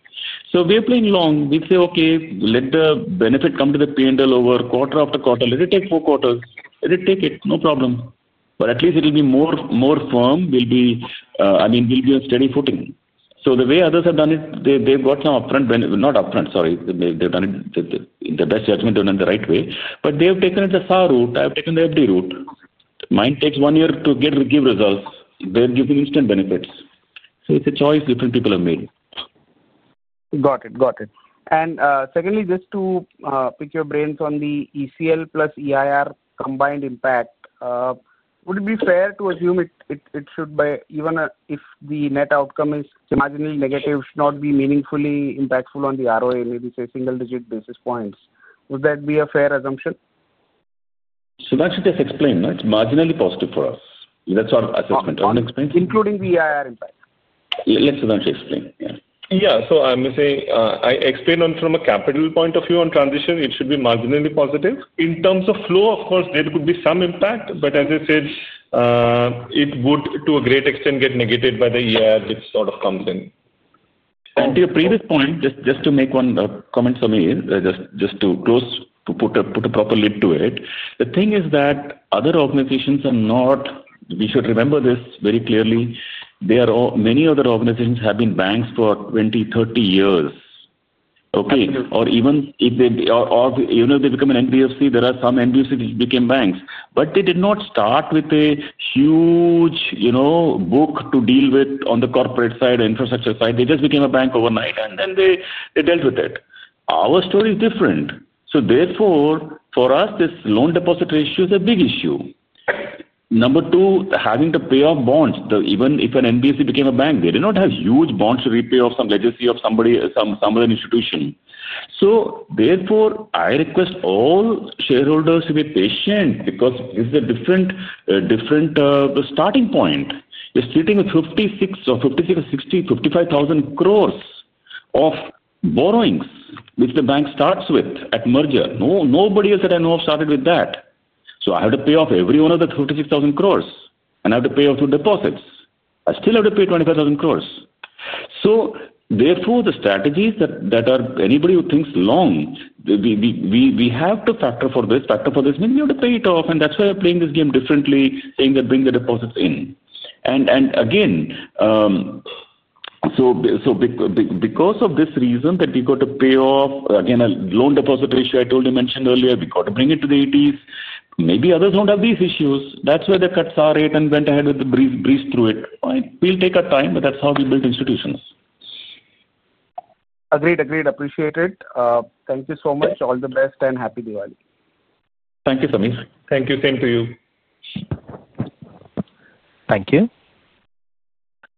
We're playing long. We say, okay, let the benefit come to the P&L over quarter after quarter. Let it take four quarters. Let it take it. No problem. At least it'll be more firm. We'll be, I mean, we'll be on steady footing. The way others have done it, they've got some upfront, not upfront, sorry. They've done it in the best judgment done in the right way. They've taken it the CASA route. I've taken the FD route. Mine takes one year to give results. They're giving instant benefits. It's a choice different people have made. Got it. Secondly, just to pick your brains on the ECL plus EIR combined impact, would it be fair to assume it should, even if the net outcome is marginally negative, not be meaningfully impactful on the ROA, maybe say single-digit basis points? Would that be a fair assumption? Sudhanshu just explained, no, it's marginally positive for us. That's our assessment. Including the EIR impact. Let Sudhanshu explain. Yeah. I'm saying I explain from a capital point of view on transition, it should be marginally positive. In terms of flow, of course, there could be some impact, but as I said, it would, to a great extent, get negated by the EIR, which sort of comes in. To your previous point, just to make one comment, Samir, just to close to put a proper lid to it. The thing is that other organizations are not, we should remember this very clearly. There are many other organizations have been banks for 20, 30 years, okay? Absolutely. Even if they are, even if they become an NBFC, there are some NBFCs which became banks. They did not start with a huge book to deal with on the corporate side or infrastructure side. They just became a bank overnight, and then they dealt with it. Our story is different. For us, this loan deposit ratio is a big issue. Number two, having to pay off bonds. Even if an NBFC became a bank, they did not have huge bonds to repay off some legacy of somebody, some other institution. I request all shareholders to be patient because this is a different starting point. You're sitting with 56,000 or 60,000, 55,000 crores of borrowings, which the bank starts with at merger. Nobody else that I know of started with that. I have to pay off every one of the 36,000 crores, and I have to pay off two deposits. I still have to pay 25,000 crores. The strategies that are anybody who thinks long, we have to factor for this, factor for this. Maybe you have to pay it off, and that's why we're playing this game differently, saying that bring the deposits in. Because of this reason that we've got to pay off, again, a loan deposit ratio, I told you, mentioned earlier, we've got to bring it to the 80s. Maybe others won't have these issues. That's why they cut SAR rate and went ahead with the breeze through it. We'll take our time, but that's how we build institutions. Agreed. Agreed. Appreciate it. Thank you so much. All the best and happy Diwali. Thank you, Sameer. Thank you. Same to you. Thank you.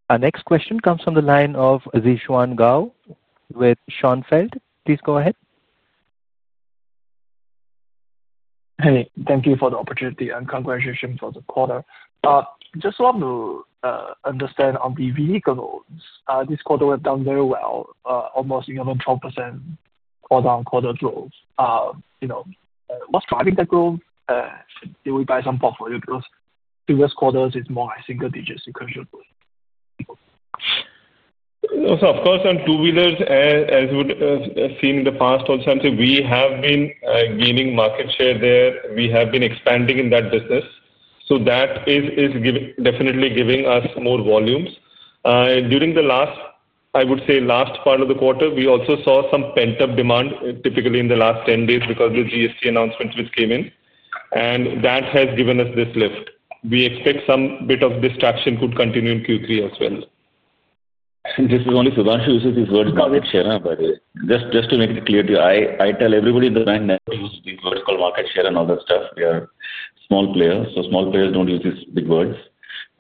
Our next question comes from the line of Zhixuan Gao with Schonfeld. Please go ahead. Hey, thank you for the opportunity and congratulations for the quarter. Just so I understand, on the vehicle loans, this quarter went down very well, almost 11%-12% quarter on quarter growth. You know, what's driving that growth? Did we buy some portfolio growth? Previous quarters is more high single-digit sequential growth. Of course, on two-wheelers, as we've seen in the past also, I'd say we have been gaining market share there. We have been expanding in that business, so that is definitely giving us more volumes. During the last, I would say, last part of the quarter, we also saw some pent-up demand, typically in the last 10 days because of the GST announcement which came in. That has given us this lift. We expect some bit of distraction could continue in Q3 as well. This is only Sudhanshu who uses these words market share, by the way. Just to make it clear to you, I tell everybody in the bank never use these words called market share and all that stuff. We are small players, so small players don't use these big words.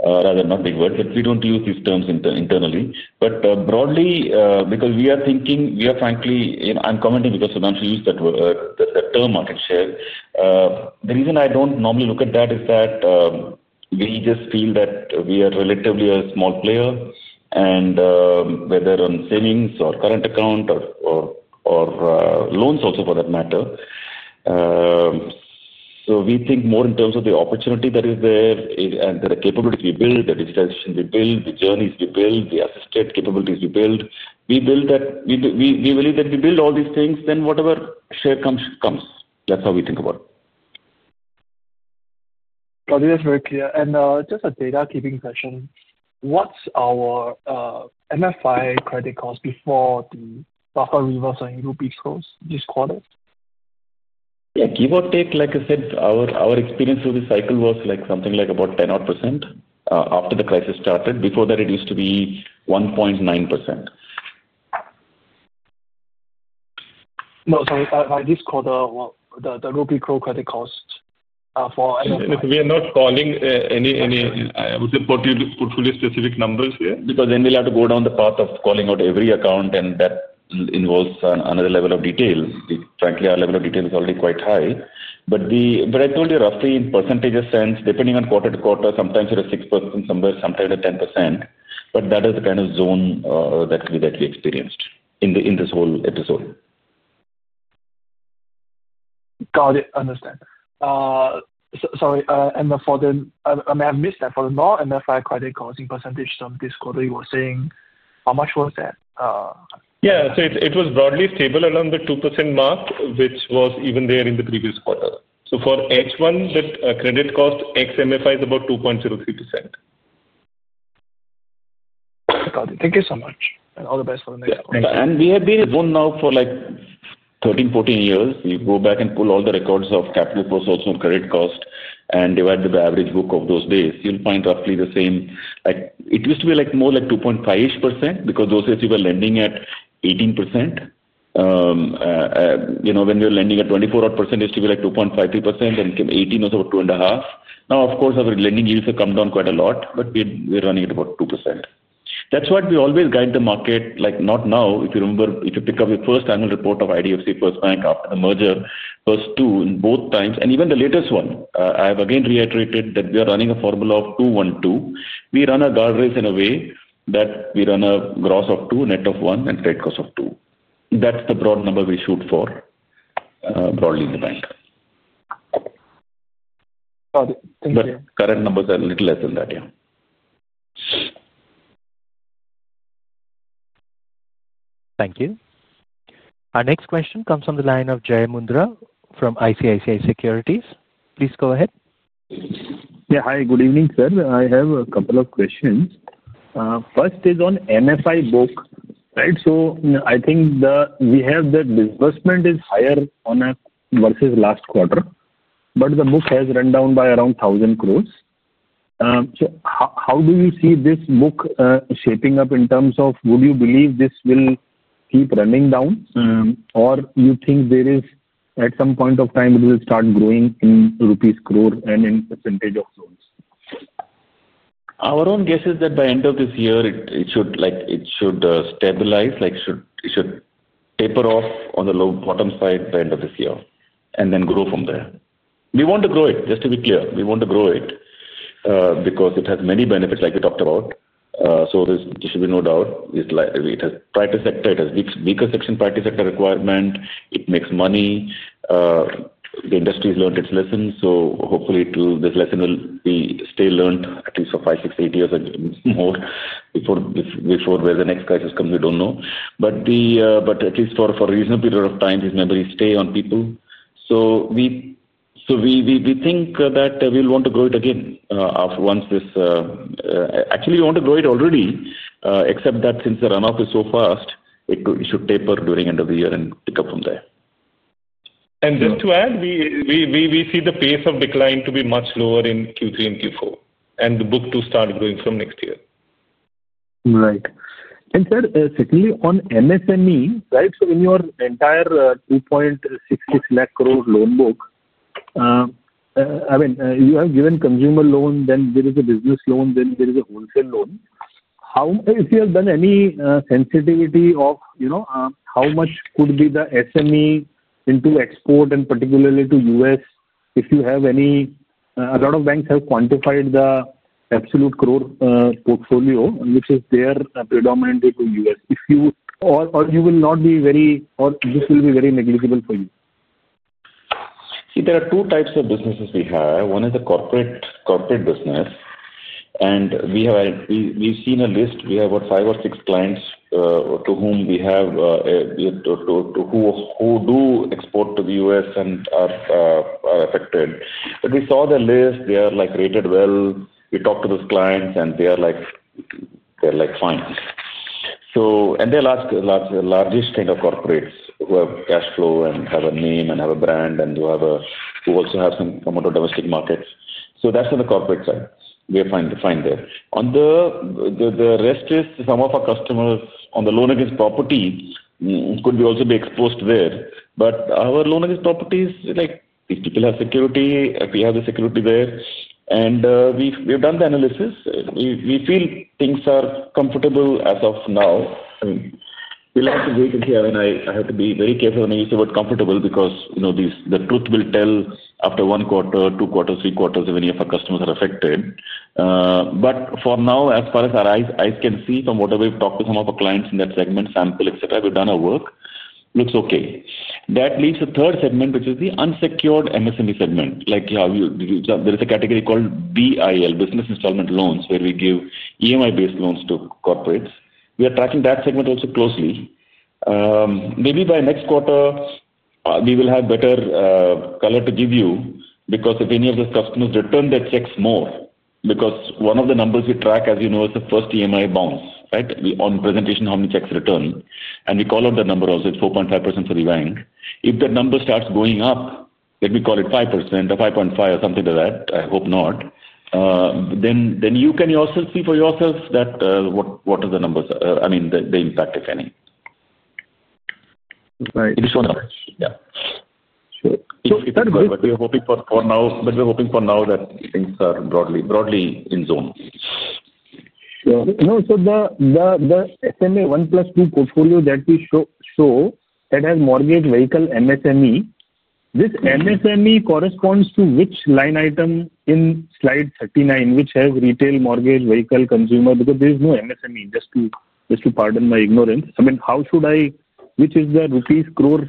Rather, not big words, but we don't use these terms internally. Broadly, because we are thinking, we are frankly, you know, I'm commenting because Sudhanshu used that word, that term market share. The reason I don't normally look at that is that we just feel that we are relatively a small player and whether on savings or current account or loans also for that matter. We think more in terms of the opportunity that is there and the capabilities we build, the digitization we build, the journeys we build, the assisted capabilities we build. We build that, we believe that we build all these things, then whatever share comes, comes. That's how we think about it. That is very clear. Just a data-keeping question. What's our microfinance portfolio credit cost before the buffer reverse on rupee scores this quarter? Yeah, give or take, like I said, our experience through this cycle was like something like about 10% after the crisis started. Before that, it used to be 1.9%. No, sorry. By this quarter, the INR crore credit cost for the microfinance portfolio. We are not calling any, I would say, portfolio-specific numbers here because then we'll have to go down the path of calling out every account, and that involves another level of detail. Frankly, our level of detail is already quite high. I told you roughly in percentage sense, depending on quarter to quarter, sometimes it is 6%, sometimes it's 10%. That is the kind of zone that we experienced in this whole episode. Got it. Understand. Sorry, I may have missed that. For the raw microfinance portfolio credit cost in % terms this quarter, you were saying how much was that? Yeah, it was broadly stable around the 2% mark, which was even there in the previous quarter. For H1, the credit cost ex-MFI is about 2.03%. Got it. Thank you so much. All the best for the next quarter. Thanks. We have been in the zone now for like 13, 14 years. You go back and pull all the records of capital costs, also credit costs, and divide the average book of those days, you'll find roughly the same. It used to be more like 2.5% because those days we were lending at 18%. You know, when we were lending at 24% odd, it used to be like 2.53%. Then it came 18%, was about 2.5%. Now, of course, our lending yields have come down quite a lot, but we're running at about 2%. That's why we always guide the market, like not now, if you remember, if you pick up your first annual report of IDFC First Bank after the merger, first two, both times, and even the latest one, I have again reiterated that we are running a formula of 2-1-2. We run a guard race in a way that we run a gross of 2, net of 1, and credit cost of 2. That's the broad number we shoot for broadly in the bank. Got it. Thank you. Current numbers are a little less than that, yeah. Thank you. Our next question comes from the line of Jai Mundhra from ICICI Securities. Please go ahead. Yeah, hi. Good evening, sir. I have a couple of questions. First is on the microfinance portfolio, right? I think that we have that disbursement is higher versus last quarter, but the book has run down by around 1,000 crore. How do you see this book shaping up in terms of would you believe this will keep running down? Or do you think at some point of time it will start growing in rupees crore and in percentage of zones? Our own guess is that by the end of this year, it should stabilize, like it should taper off on the low bottom side by the end of this year and then grow from there. We want to grow it, just to be clear. We want to grow it because it has many benefits like we talked about. There should be no doubt. It has private sector, it has weaker section private sector requirement. It makes money. The industry has learned its lessons. Hopefully, this lesson will be still learned at least for five, six, eight years or more before the next crisis comes, we don't know. At least for a reasonable period of time, these memories stay on people. We think that we'll want to grow it again after once this, actually, we want to grow it already, except that since the runoff is so fast, it should taper during the end of the year and pick up from there. We see the pace of decline to be much lower in Q3 and Q4, and the book to start growing from next year. Right. Sir, secondly, on MSME, in your entire 2.66 lakh crore loan book, you have given consumer loan, then there is a business loan, then there is a wholesale loan. Have you done any sensitivity of how much could be the SME into export and particularly to the U.S., if you have any? A lot of banks have quantified the absolute crore portfolio which is there predominantly to the U.S. If you, or you will not be very, or this will be very negligible for you. See, there are two types of businesses we have. One is a corporate business. We have about five or six clients who do export to the U.S. and are affected. We saw the list. They are rated well. We talked to those clients, and they are fine. They are the largest kind of corporates who have cash flow and have a name and have a brand and who also have some come out of domestic markets. That's on the corporate side. We are fine there. The rest is some of our customers on the loan against property could also be exposed there. Our loan against properties, these people have security, we have the security there. We've done the analysis. We feel things are comfortable as of now. I have to be very careful when I use the word comfortable because the truth will tell after one quarter, two quarters, three quarters if any of our customers are affected. For now, as far as our eyes can see from whatever we've talked to some of our clients in that segment, sample, etc., we've done our work, looks okay. That leaves the third segment, which is the unsecured MSME segment. There is a category called BIL, business installment loans, where we give EMI-based loans to corporates. We are tracking that segment also closely. Maybe by next quarter, we will have better color to give you because if any of those customers return their checks more, because one of the numbers we track, as you know, is the first EMI bounce, right? On presentation, how many checks return? We call out the number also. It's 4.5% for the bank. If that number starts going up, then we call it 5% or 5.5% or something like that. I hope not. You can also see for yourself what are the numbers, the impact, if any. Right. It is showing up. Yeah. Sure. It's not good, but we're hoping for now that things are broadly in zone. Sure. The SMA 1 + 2 portfolio that we show, that has mortgage, vehicle, MSME, this MSME corresponds to which line item in slide 39, which has retail, mortgage, vehicle, consumer? Because there is no MSME, just to pardon my ignorance. I mean, how should I, which is the rupees crore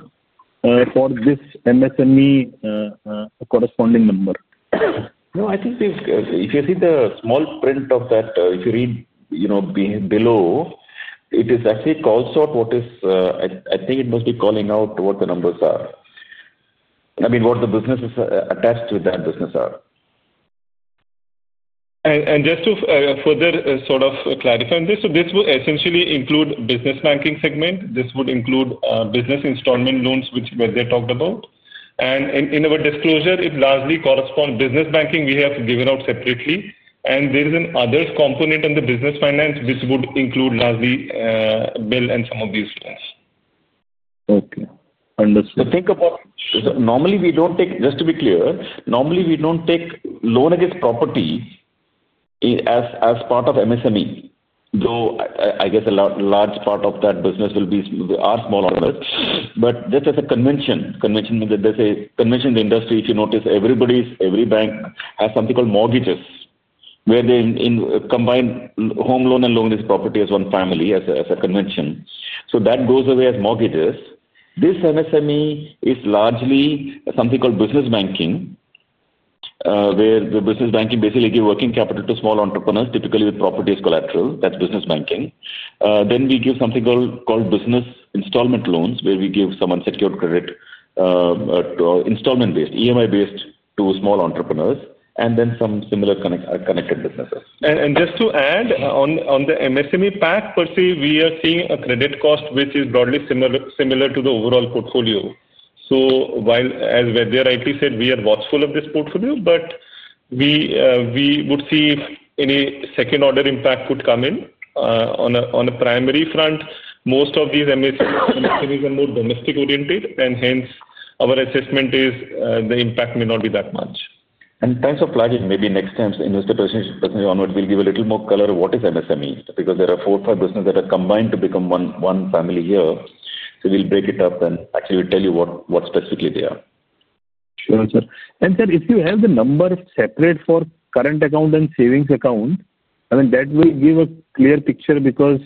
for this MSME corresponding number? No, I think if you see the small print of that, if you read below, it actually calls out what is, I think it must be calling out what the numbers are. I mean, what the businesses are attached to that business are. Just to further sort of clarify on this, this would essentially include business banking segment. This would include business installment loans, which they talked about. In our disclosure, it largely corresponds to business banking we have given out separately. There is an other component on the business finance, which would include largely bill and some of these loans. Okay. Understood. Normally we don't take, just to be clear, normally we don't take loan against property as part of MSME. I guess a large part of that business will be our small owners. Just as a convention, convention means that there's a convention in the industry, if you notice, every bank has something called mortgages, where they combine home loan and loan against property as one family, as a convention. That goes away as mortgages. This MSME is largely something called business banking, where the business banking basically gives working capital to small entrepreneurs, typically with properties collateral. That's business banking. We give something called business installment loans, where we give some unsecured credit to installment-based, EMI-based to small entrepreneurs, and then some similar connected businesses. Just to add, on the MSME path per se, we are seeing a credit cost, which is broadly similar to the overall portfolio. While, as V. Vaidyanathan said, we are watchful of this portfolio, we would see if any second-order impact could come in on a primary front. Most of these MSMEs are more domestic-oriented, and hence our assessment is the impact may not be that much. Thanks for flagging. Maybe next time, Mr. President, we'll give a little more color of what is MSME because there are four or five businesses that are combined to become one family here. We'll break it up and actually we'll tell you what specifically they are. Sure, sir. If you have the number separate for current account and savings account, that will give a clear picture because,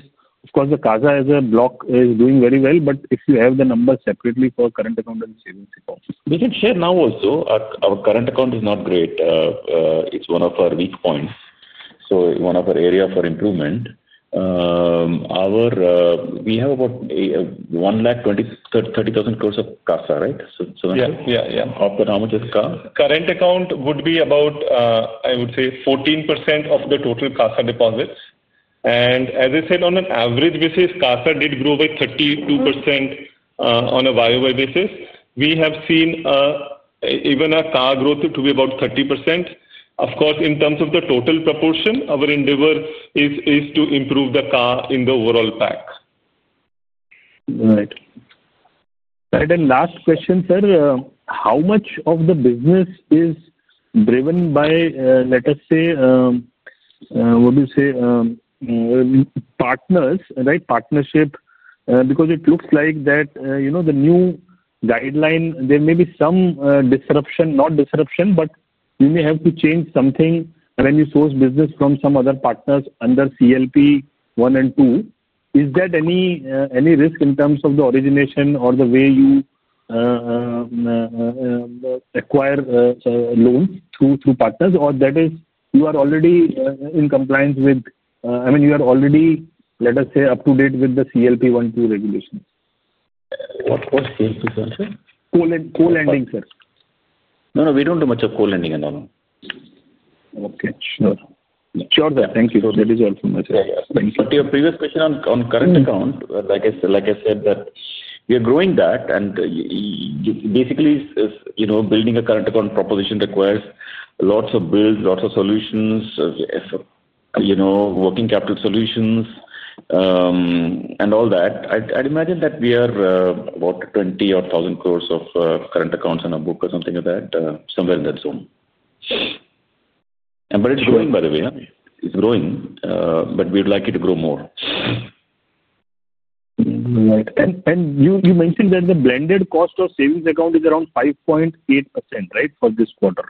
of course, the CASA as a block is doing very well. If you have the numbers separately for current account and savings account. We can share now also. Our current account is not great. It's one of our weak points, one of our areas for improvement. We have about 1,230,000 crore of CASA, right? Yeah, yeah. How much is CASA? Current account would be about, I would say, 14% of the total CASA deposits. As I said, on an average basis, CASA did grow by 32% on a YoY basis. We have seen even a CA growth to be about 30%. OOf course, in terms of the total proportion, our endeavor is to improve the CA in the overall pack. Right. Right. Last question, sir. How much of the business is driven by, let us say, partners, right, partnership? It looks like the new guideline, there may be some disruption, not disruption, but you may have to change something when you source business from some other partners under CLP 1 and 2. Is there any risk in terms of the origination or the way you acquire loans through partners? Or are you already in compliance with, I mean, are you already, let us say, up to date with the CLP 1-2 regulations? What is CLP 1, sir? Call ending, sir. No, we don't do much of co-lending in our loan. Okay. Sure. Sure, sir. Thank you. That is helpful, sir. Yeah, yeah. To your previous question on current account, like I said, we are growing that and you know, building a current account proposition requires lots of builds, lots of solutions, working capital solutions, and all that. I'd imagine that we are about 20,000 crores of current accounts on our book or something like that, somewhere in that zone. It's growing, by the way. It's growing, but we would like it to grow more. Right. You. think that the blended cost of savings account is around 5.8% for this quarter?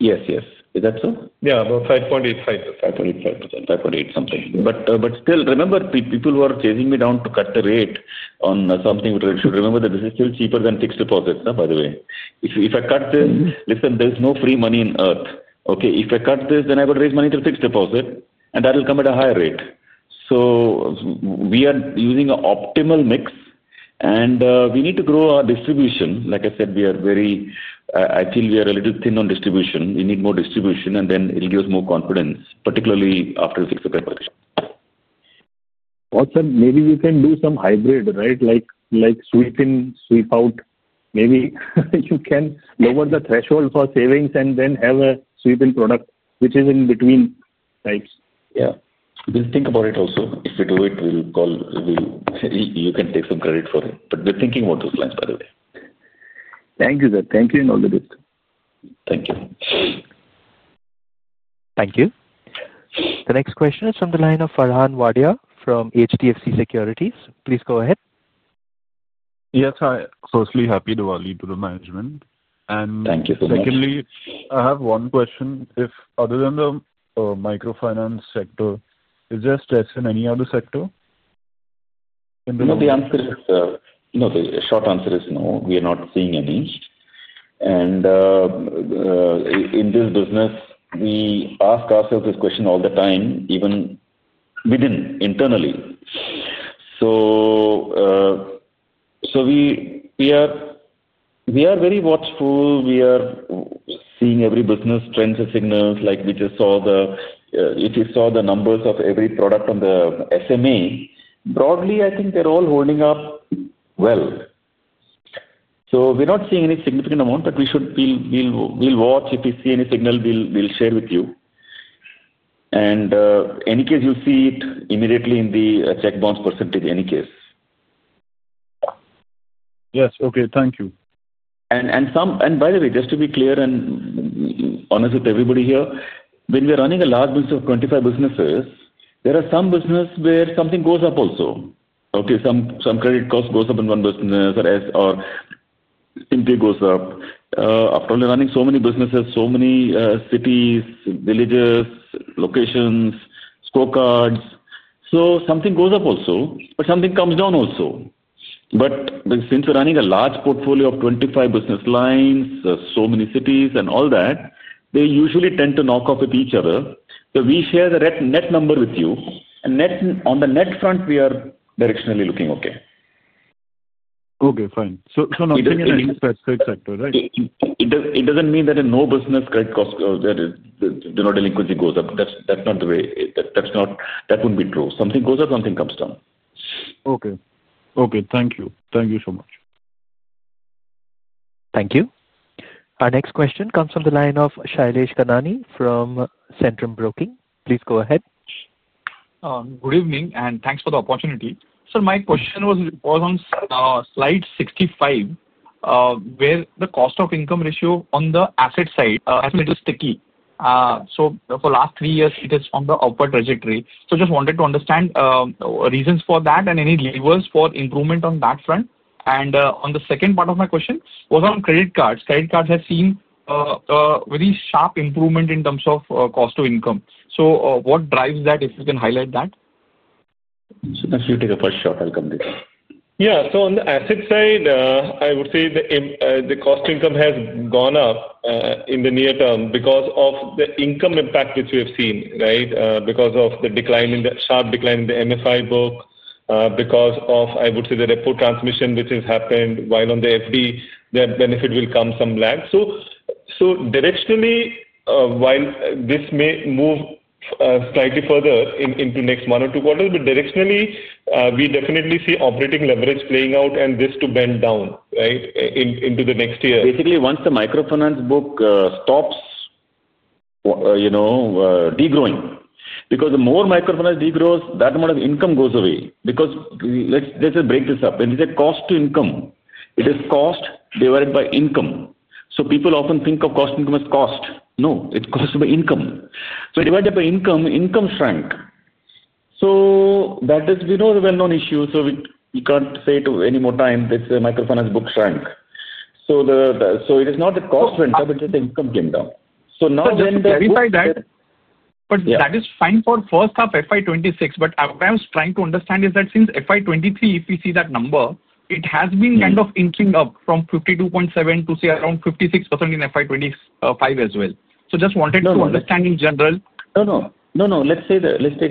Yes. Yes. Is that so? Yeah, about 5.85%. 5.85%, 5.8 something. Still, remember, people were chasing me down to cut the rate on something with ratio. Remember that this is still cheaper than fixed deposits, by the way. If I cut this, listen, there's no free money in earth. If I cut this, then I've got to raise money through fixed deposit, and that'll come at a higher rate. We are using an optimal mix, and we need to grow our distribution. Like I said, I feel we are a little thin on distribution. We need more distribution, and then it'll give us more confidence, particularly after the 6th of April. Also, maybe we can do some hybrid, right? Like sweep in, sweep out. Maybe you can lower the threshold for savings and then have a sweep-in product, which is in between types. Yeah, just think about it also. If we do it, we'll call, you can take some credit for it. We're thinking about those lines, by the way. Thank you, sir. Thank you and all the best. Thank you. Thank you. The next question is from the line of Farhaan Wadia from HDFC Securities. Please go ahead. Yes, hi. Firstly, happy Diwali to the management. Thank you so much. Secondly, I have one question. Other than the microfinance sector, is there stress in any other sector? The answer is no. The short answer is no. We are not seeing any. In this business, we ask ourselves this question all the time, even internally. We are very watchful. We are seeing every business, trends, and signals. Like we just saw the, if you saw the numbers of every product on the SMA, broadly, I think they're all holding up well. We are not seeing any significant amount, but we will watch. If we see any signal, we will share with you. In any case, you'll see it immediately in the check bounce percentage, in any case. Yes. Okay. Thank you. By the way, just to be clear and honest with everybody here, when we're running a large business of 25 businesses, there are some businesses where something goes up also. Some credit cost goes up in one business, or S&P goes up. After only running so many businesses, so many cities, villages, locations, scorecards, something goes up also, but something comes down also. Since we're running a large portfolio of 25 business lines, so many cities, and all that, they usually tend to knock off with each other. We share the net number with you. On the net front, we are directionally looking. Okay. Fine. Nothing changes for a third sector, right? It doesn't mean that in no business, credit cost, there is, do not delinquency goes up. That's not the way, that's not, that wouldn't be true. Something goes up, something comes down. Okay. Thank you. Thank you so much. Thank you. Our next question comes from the line of Shailesh Kanani from Centrum Broking. Please go ahead. Good evening, and thanks for the opportunity. Sir, my question was on slide 65, where the cost of income ratio on the asset side, asset is sticky. For the last three years, it is on the upper trajectory. I just wanted to understand reasons for that and any levers for improvement on that front. The second part of my question was on credit cards. Credit cards have seen a very sharp improvement in terms of cost of income. What drives that, if you can highlight that? Should I take a first shot? I'll come to you. Yeah. On the asset side, I would say the cost of income has gone up in the near term because of the income impact which we have seen, right? Because of the sharp decline in the microfinance portfolio, because of, I would say, the repo rate transmission which has happened while on the FD, that benefit will come with some lag. Directionally, while this may move slightly further into the next one or two quarters, we definitely see operating leverage playing out and this to bend down, right, into the next year. Basically, once the microfinance book stops degrowing, because the more microfinance degrows, that amount of income goes away. Let's just break this up. When we say cost to income, it is cost divided by income. People often think of cost to income as cost. No, it's cost by income. Divided by income, income shrank. That is a well-known issue. We can't say it any more time. This microfinance book shrank. It is not that cost went up, it's just the income came down. Now then the. Sorry. That is fine for the first half, FY 2026. What I was trying to understand is that since FY 2023, if we see that number, it has been kind of inching up from 52.7% to, say, around 56% in FY 2025 as well. Just wanted to understand in general. Let's take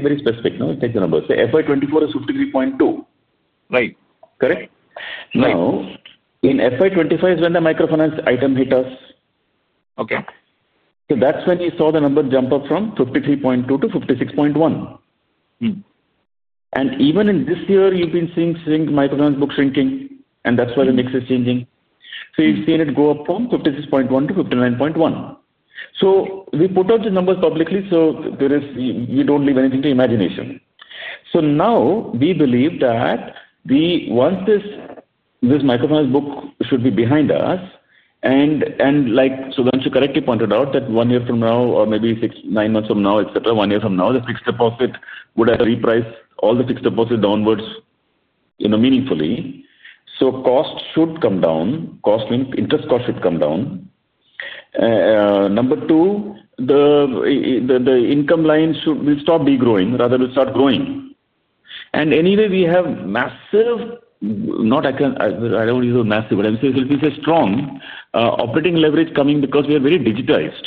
very specific. Let's take the numbers. Say FY 2024 is 53.2, right? Correct? In FY 2025 is when the microfinance item hit us. That's when you saw the number jump up from 53.2 to 56.1. Even in this year, you've been seeing microfinance book shrinking, and that's why the mix is changing. You've seen it go up from 56.1 to 59.1. We put out the numbers publicly so you don't leave anything to imagination. Now we believe that we want this microfinance book should be behind us. Like Sudhanshu correctly pointed out, one year from now, or maybe six, nine months from now, etc., one year from now, the fixed deposit would have repriced all the fixed deposit downwards meaningfully. Cost should come down. Cost means interest cost should come down. Number two, the income line should stop degrowing, rather it will start growing. Anyway, we have massive, not I can't, I don't want to use the word massive, but I'm saying it will be a strong operating leverage coming because we are very digitized.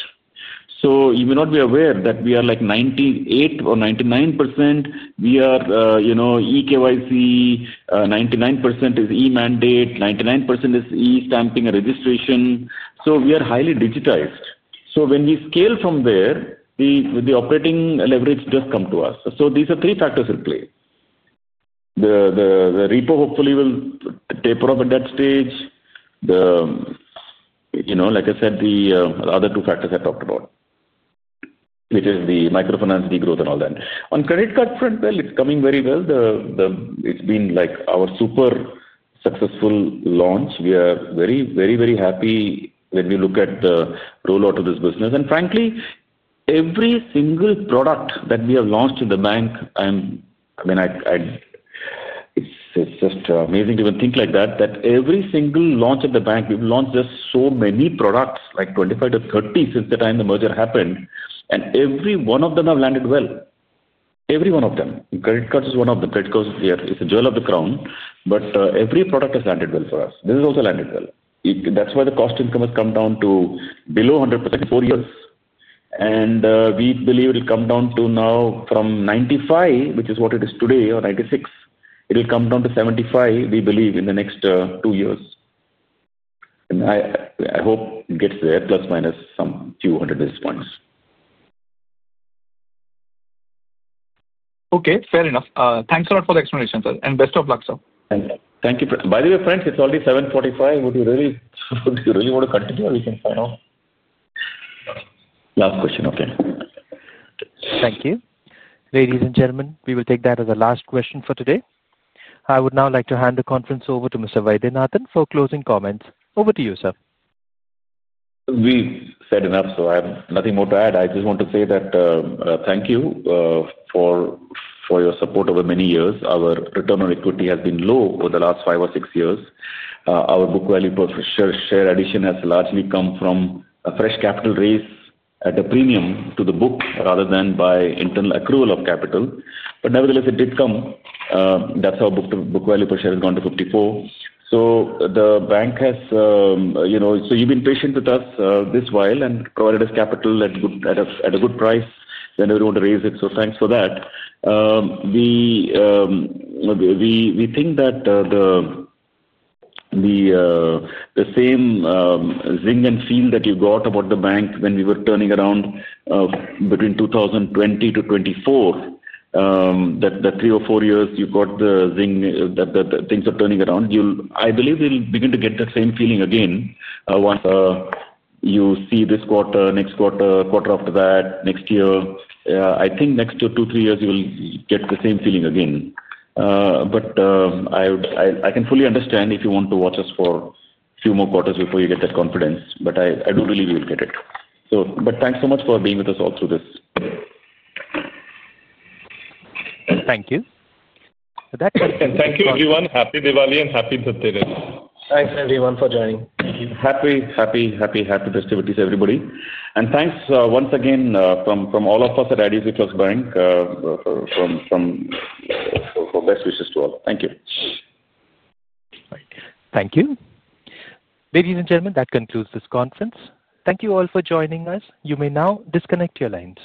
You may not be aware that we are like 98% or 99%, we are you know EKYC, 99% is e-mandate, 99% is e-stamping and registration. We are highly digitized. When we scale from there, the operating leverage does come to us. These are three factors in play. The repo hopefully will taper off at that stage. Like I said, the other two factors I talked about, which is the microfinance degrowth and all that. On credit card front, it's coming very well. It's been like our super successful launch. We are very, very, very happy when we look at the rollout of this business. Frankly, every single product that we have launched in the bank, I mean, it's just amazing to even think like that, that every single launch at the bank, we've launched just so many products, like 25-30 since the time the merger to happened. Every one of them have landed well. Every one of them. Credit cards is one of them. Credit cards is a jewel of the crown. Every product has landed well for us. This has also landed well. That's why the cost income has come down to below 100% in four years. We believe it'll come down to now from 95, which is what it is today, or 96, it'll come down to 75, we believe, in the next two years. I hope it gets there, plus minus some few hundred basis points. Okay. Fair enough. Thanks a lot for the explanation, sir. Best of luck, sir. Thank you. By the way, friends, it's already 7:45 P.M. Would you really want to continue, or we can sign off? Last question, okay? Thank you. Ladies and gentlemen, we will take that as the last question for today. I would now like to hand the conference over to Mr. Vaidyanathan for closing comments. Over to you, sir. We've said enough, so I have nothing more to add. I just want to say thank you for your support over many years. Our return on equity has been low over the last five or six years. Our book value per share addition has largely come from fresh capital raised at a premium to the book, rather than by internal accrual of capital. Nevertheless, it did come. That's how book value per share has gone to 54. The bank has, you know, you've been patient with us this while and provided us capital at a good price whenever we want to raise it. Thank you for that. We think that the same zing and feel that you got about the bank when we were turning around, between 2020 to 2024, that the three or four years you got the zing, that things are turning around, you'll, I believe we'll begin to get that same feeling again once you see this quarter, next quarter, quarter after that, next year. I think next two or three years, you will get the same feeling again. I can fully understand if you want to watch us for a few more quarters before you get that confidence. I do believe you'll get it. Thank you so much for being with us all through this. Thank you. That concludes the session. Thank you, everyone. Happy Diwali and happy birthdays. Thanks, everyone, for joining. Happy, happy, happy, happy birthdays, everybody. Thanks once again from all of us at IDFC First Bank for best wishes to all. Thank you. Thank you. Ladies and gentlemen, that concludes this conference. Thank you all for joining us. You may now disconnect your lines.